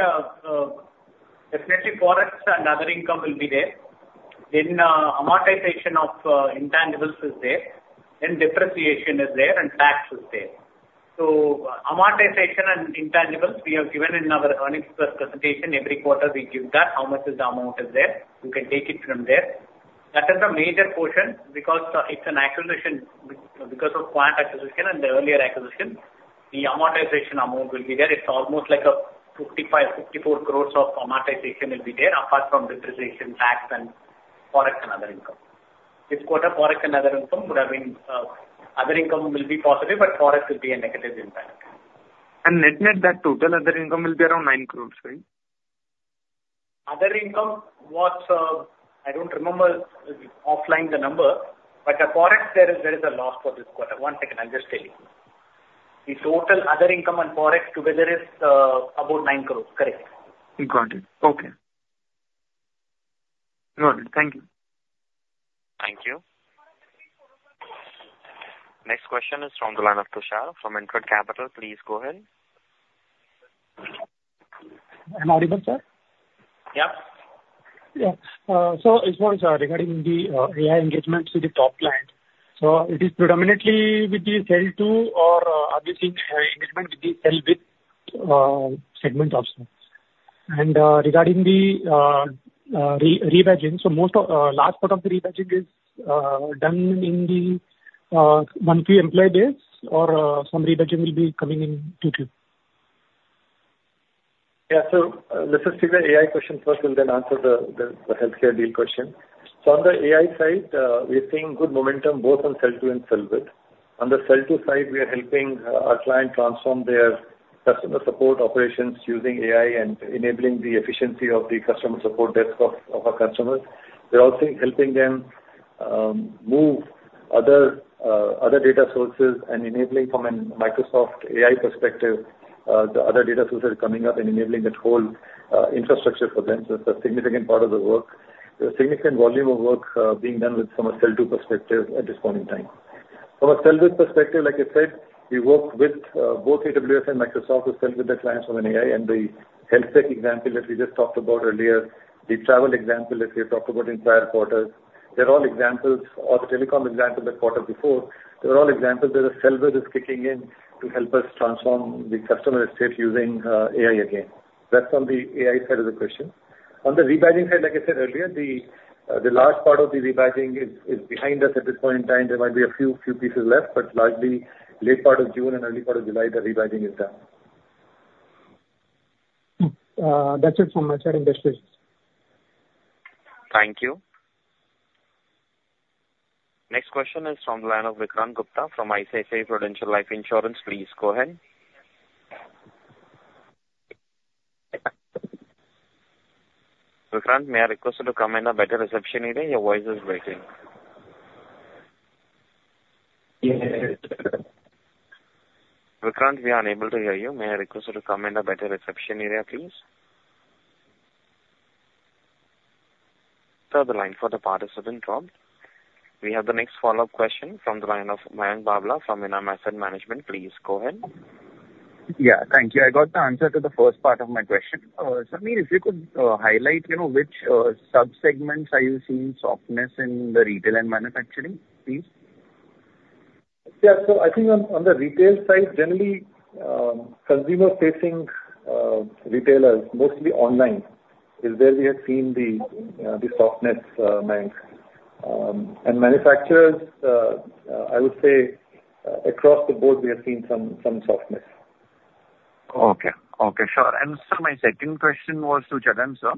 definitely forex and other income will be there. Then amortization of intangibles is there, then depreciation is there, and tax is there. So amortization and intangibles, we have given in our earnings press presentation. Every quarter we give that, how much is the amount is there. You can take it from there. That is a major portion because it's an acquisition. Because of Quant Systems acquisition and the earlier acquisition, the amortization amount will be there. It's almost like a 55-54 crores of amortization will be there, apart from depreciation, tax, and forex and other income. This quarter, forex and other income would have been other income will be positive, but forex will be a negative impact. Net-net, that total other income will be around 9 crore, right? Other income was, I don't remember offline the number, but the forex there is, there is a loss for this quarter. One second, I'll just tell you. The total other income and forex together is, about 9 crore, correct. Got it. Okay. Got it. Thank you. Thank you. Next question is from the line of Tushar from InCred Capital. Please go ahead. Am I audible, sir? Yeah. Yeah. So it's more, sir, regarding the AI engagement to the top line. So it is predominantly with the sell-to, or are you seeing engagement with the sell-with segment also? And regarding the rebidding, so most of large part of the rebidding is done in the monthly employee days, or some rebidding will be coming in Q2? Yeah. So let us take the AI question first and then answer the healthcare deal question. So on the AI side, we are seeing good momentum both on sell-to and sell-with. On the sell-to side, we are helping our client transform their customer support operations using AI and enabling the efficiency of the customer support desk of our customers. We're also helping them move other data sources and enabling from a Microsoft AI perspective the other data sources coming up and enabling that whole infrastructure for them. So it's a significant part of the work. There's a significant volume of work being done with from a sell-to perspective at this point in time. From a sell-with perspective, like I said, we work with both AWS and Microsoft to sell with the clients from an AI and the health tech example that we just talked about earlier, the travel example that we talked about entire quarters, they're all examples, or the telecom example the quarter before. They're all examples where the sell-with is kicking in to help us transform the customer estate using AI again. That's on the AI side of the question. On the rebidding side, like I said earlier, the large part of the rebidding is behind us at this point in time. There might be a few, few pieces left, but largely late part of June and early part of July, the rebidding is done. That's it from my side, just this. Thank you. Next question is from the line of Vikrant Gupta from ICICI Prudential Life Insurance. Please go ahead. Vikrant, may I request you to come in a better reception area? Your voice is breaking. Yeah. Vikrant, we are unable to hear you. May I request you to come in a better reception area, please? Sir, the line for the participant dropped. We have the next follow-up question from the line of Mayank Babla from Mirae Asset Capital Markets. Please go ahead. Yeah, thank you. I got the answer to the first part of my question. Samir, if you could, highlight, you know, which subsegments are you seeing softness in the retail and manufacturing, please? Yeah. So I think on, on the retail side, generally, consumer-facing retailers, mostly online, is where we have seen the softness, Mayank. And manufacturers, I would say, across the board, we have seen some softness. Okay. Okay, sure. And sir, my second question was to Jagan sir.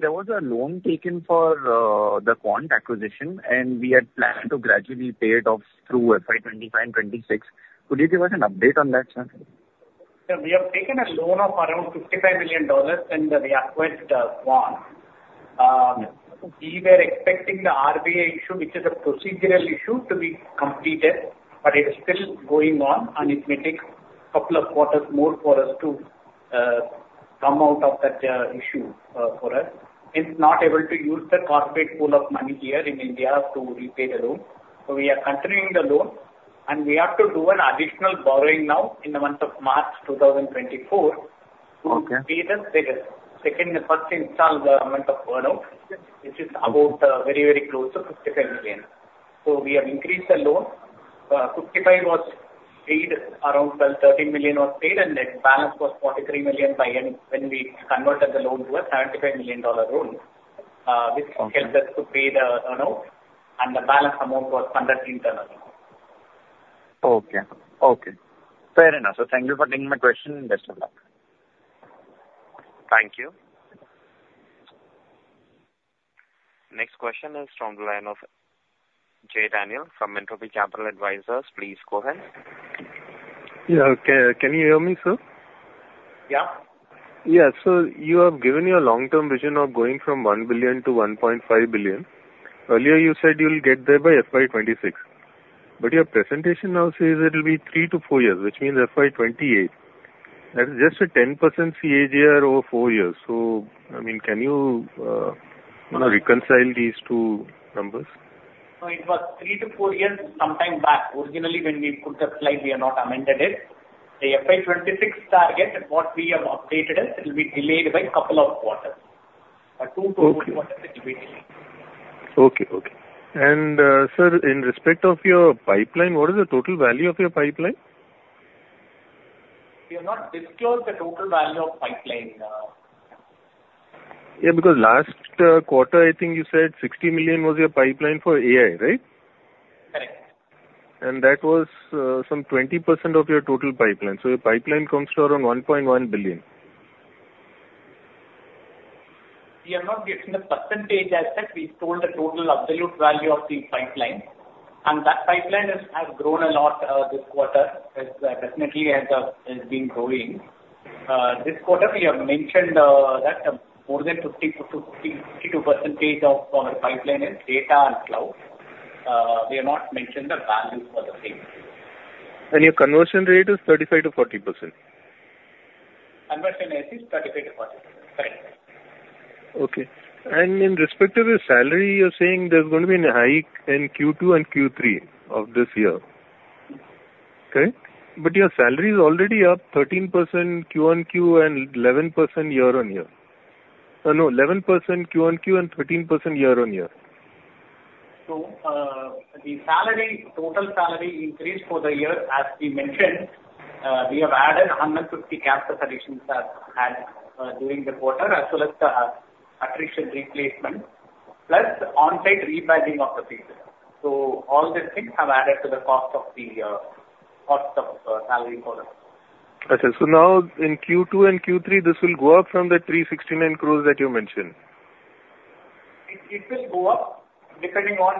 There was a loan taken for the Quant Systems acquisition, and we had planned to gradually pay it off through FY 2025 and 2026. Could you give us an update on that, sir? Sir, we have taken a loan of around $55 million when we acquired Quant Systems. We were expecting the RBI issue, which is a procedural issue, to be completed, but it's still going on, and it may take a couple of quarters more for us to come out of that issue for us. It's not able to use the corporate pool of money here in India to repay the loan. So we are continuing the loan, and we have to do an additional borrowing now in the month of March 2024- Okay. To pay the first installment amount of loan, which is about very close to $55 million. So we have increased the loan. $55 million was paid, around $12-$13 million was paid, and the balance was $43 million by end, when we converted the loan to a $75 million dollar loan. Okay. which helped us to pay the loan, and the balance amount was funded internally. Okay. Okay. Fair enough. So thank you for taking my question, and best of luck. Thank you. Next question is from the line of Jay Daniel from Entropy Capital Advisors. Please go ahead. Yeah. Can you hear me, sir? Yeah. Yeah. So you have given your long-term vision of going from $1 billion to $1.5 billion. Earlier, you said you'll get there by FY 2026, but your presentation now says it'll be 3-4 years, which means FY 2028. That is just a 10% CAGR over 4 years. So, I mean, can you, you know, reconcile these two numbers? No, it was 3-4 years sometime back. Originally, when we put the slide, we have not amended it. The FY 26 target, what we have updated is, it'll be delayed by couple of quarters. Two to- Okay. 4 quarters, it will be delayed. Okay. Okay. Sir, in respect of your pipeline, what is the total value of your pipeline? We have not disclosed the total value of pipeline. Yeah, because last quarter, I think you said $60 million was your pipeline for AI, right? Correct. And that was some 20% of your total pipeline. So your pipeline comes to around $1.1 billion. We are not giving the percentage as such. We told the total absolute value of the pipeline, and that pipeline has grown a lot this quarter. It definitely has been growing. This quarter, we have mentioned that more than 50%-62% of our pipeline is data and cloud. We have not mentioned the value for the same. Your conversion rate is 35%-40%? Conversion rate is 35%-40%. Correct. Okay. And in respect to the salary, you're saying there's going to be a hike in Q2 and Q3 of this year. Correct? But your salary is already up 13% Q on Q and 11% year on year. No, 11% Q on Q and 13% year-on-year. So, the total salary increase for the year, as we mentioned, we have added 150 headcount additions during the quarter, as well as the attrition replacement, plus onsite rebadging of the people. So all these things have added to the cost of salary for us. Okay. So now in Q2 and Q3, this will go up from the 369 crore that you mentioned? It will go up depending on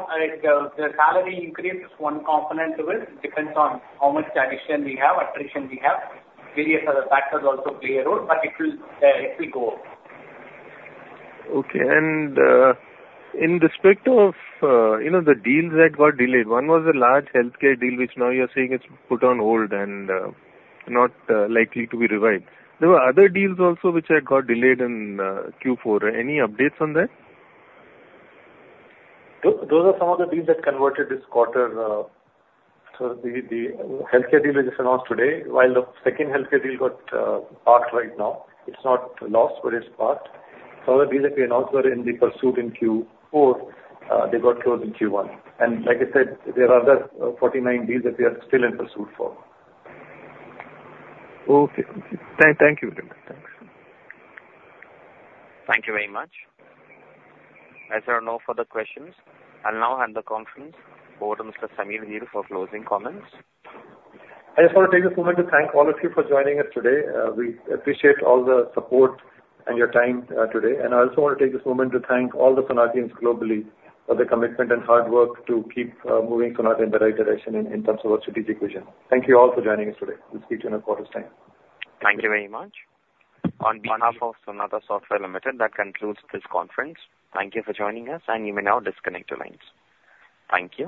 the salary increase is one component to it. Depends on how much addition we have, attrition we have. Various other factors also play a role, but it will go up. Okay. And, in respect of, you know, the deals that got delayed, one was a large healthcare deal, which now you're saying it's put on hold and, not likely to be revived. There were other deals also, which had got delayed in, Q4. Any updates on that? Those, those are some of the deals that converted this quarter. So the healthcare deal is announced today, while the second healthcare deal got parked right now. It's not lost, but it's parked. Some of the deals that we announced were in the pursuit in Q4, they got closed in Q1. And like I said, there are other 49 deals that we are still in pursuit for. Okay. Thank you, Vimal. Thanks. Thank you very much. As there are no further questions, I'll now hand the conference over to Mr. Samir Dhir for closing comments. I just want to take this moment to thank all of you for joining us today. We appreciate all the support and your time today. I also want to take this moment to thank all the Sonatans globally for their commitment and hard work to keep moving Sonata in the right direction in terms of our strategic vision. Thank you all for joining us today. We'll speak to you in a quarter's time. Thank you very much. On behalf of Sonata Software Limited, that concludes this conference. Thank you for joining us, and you may now disconnect your lines. Thank you.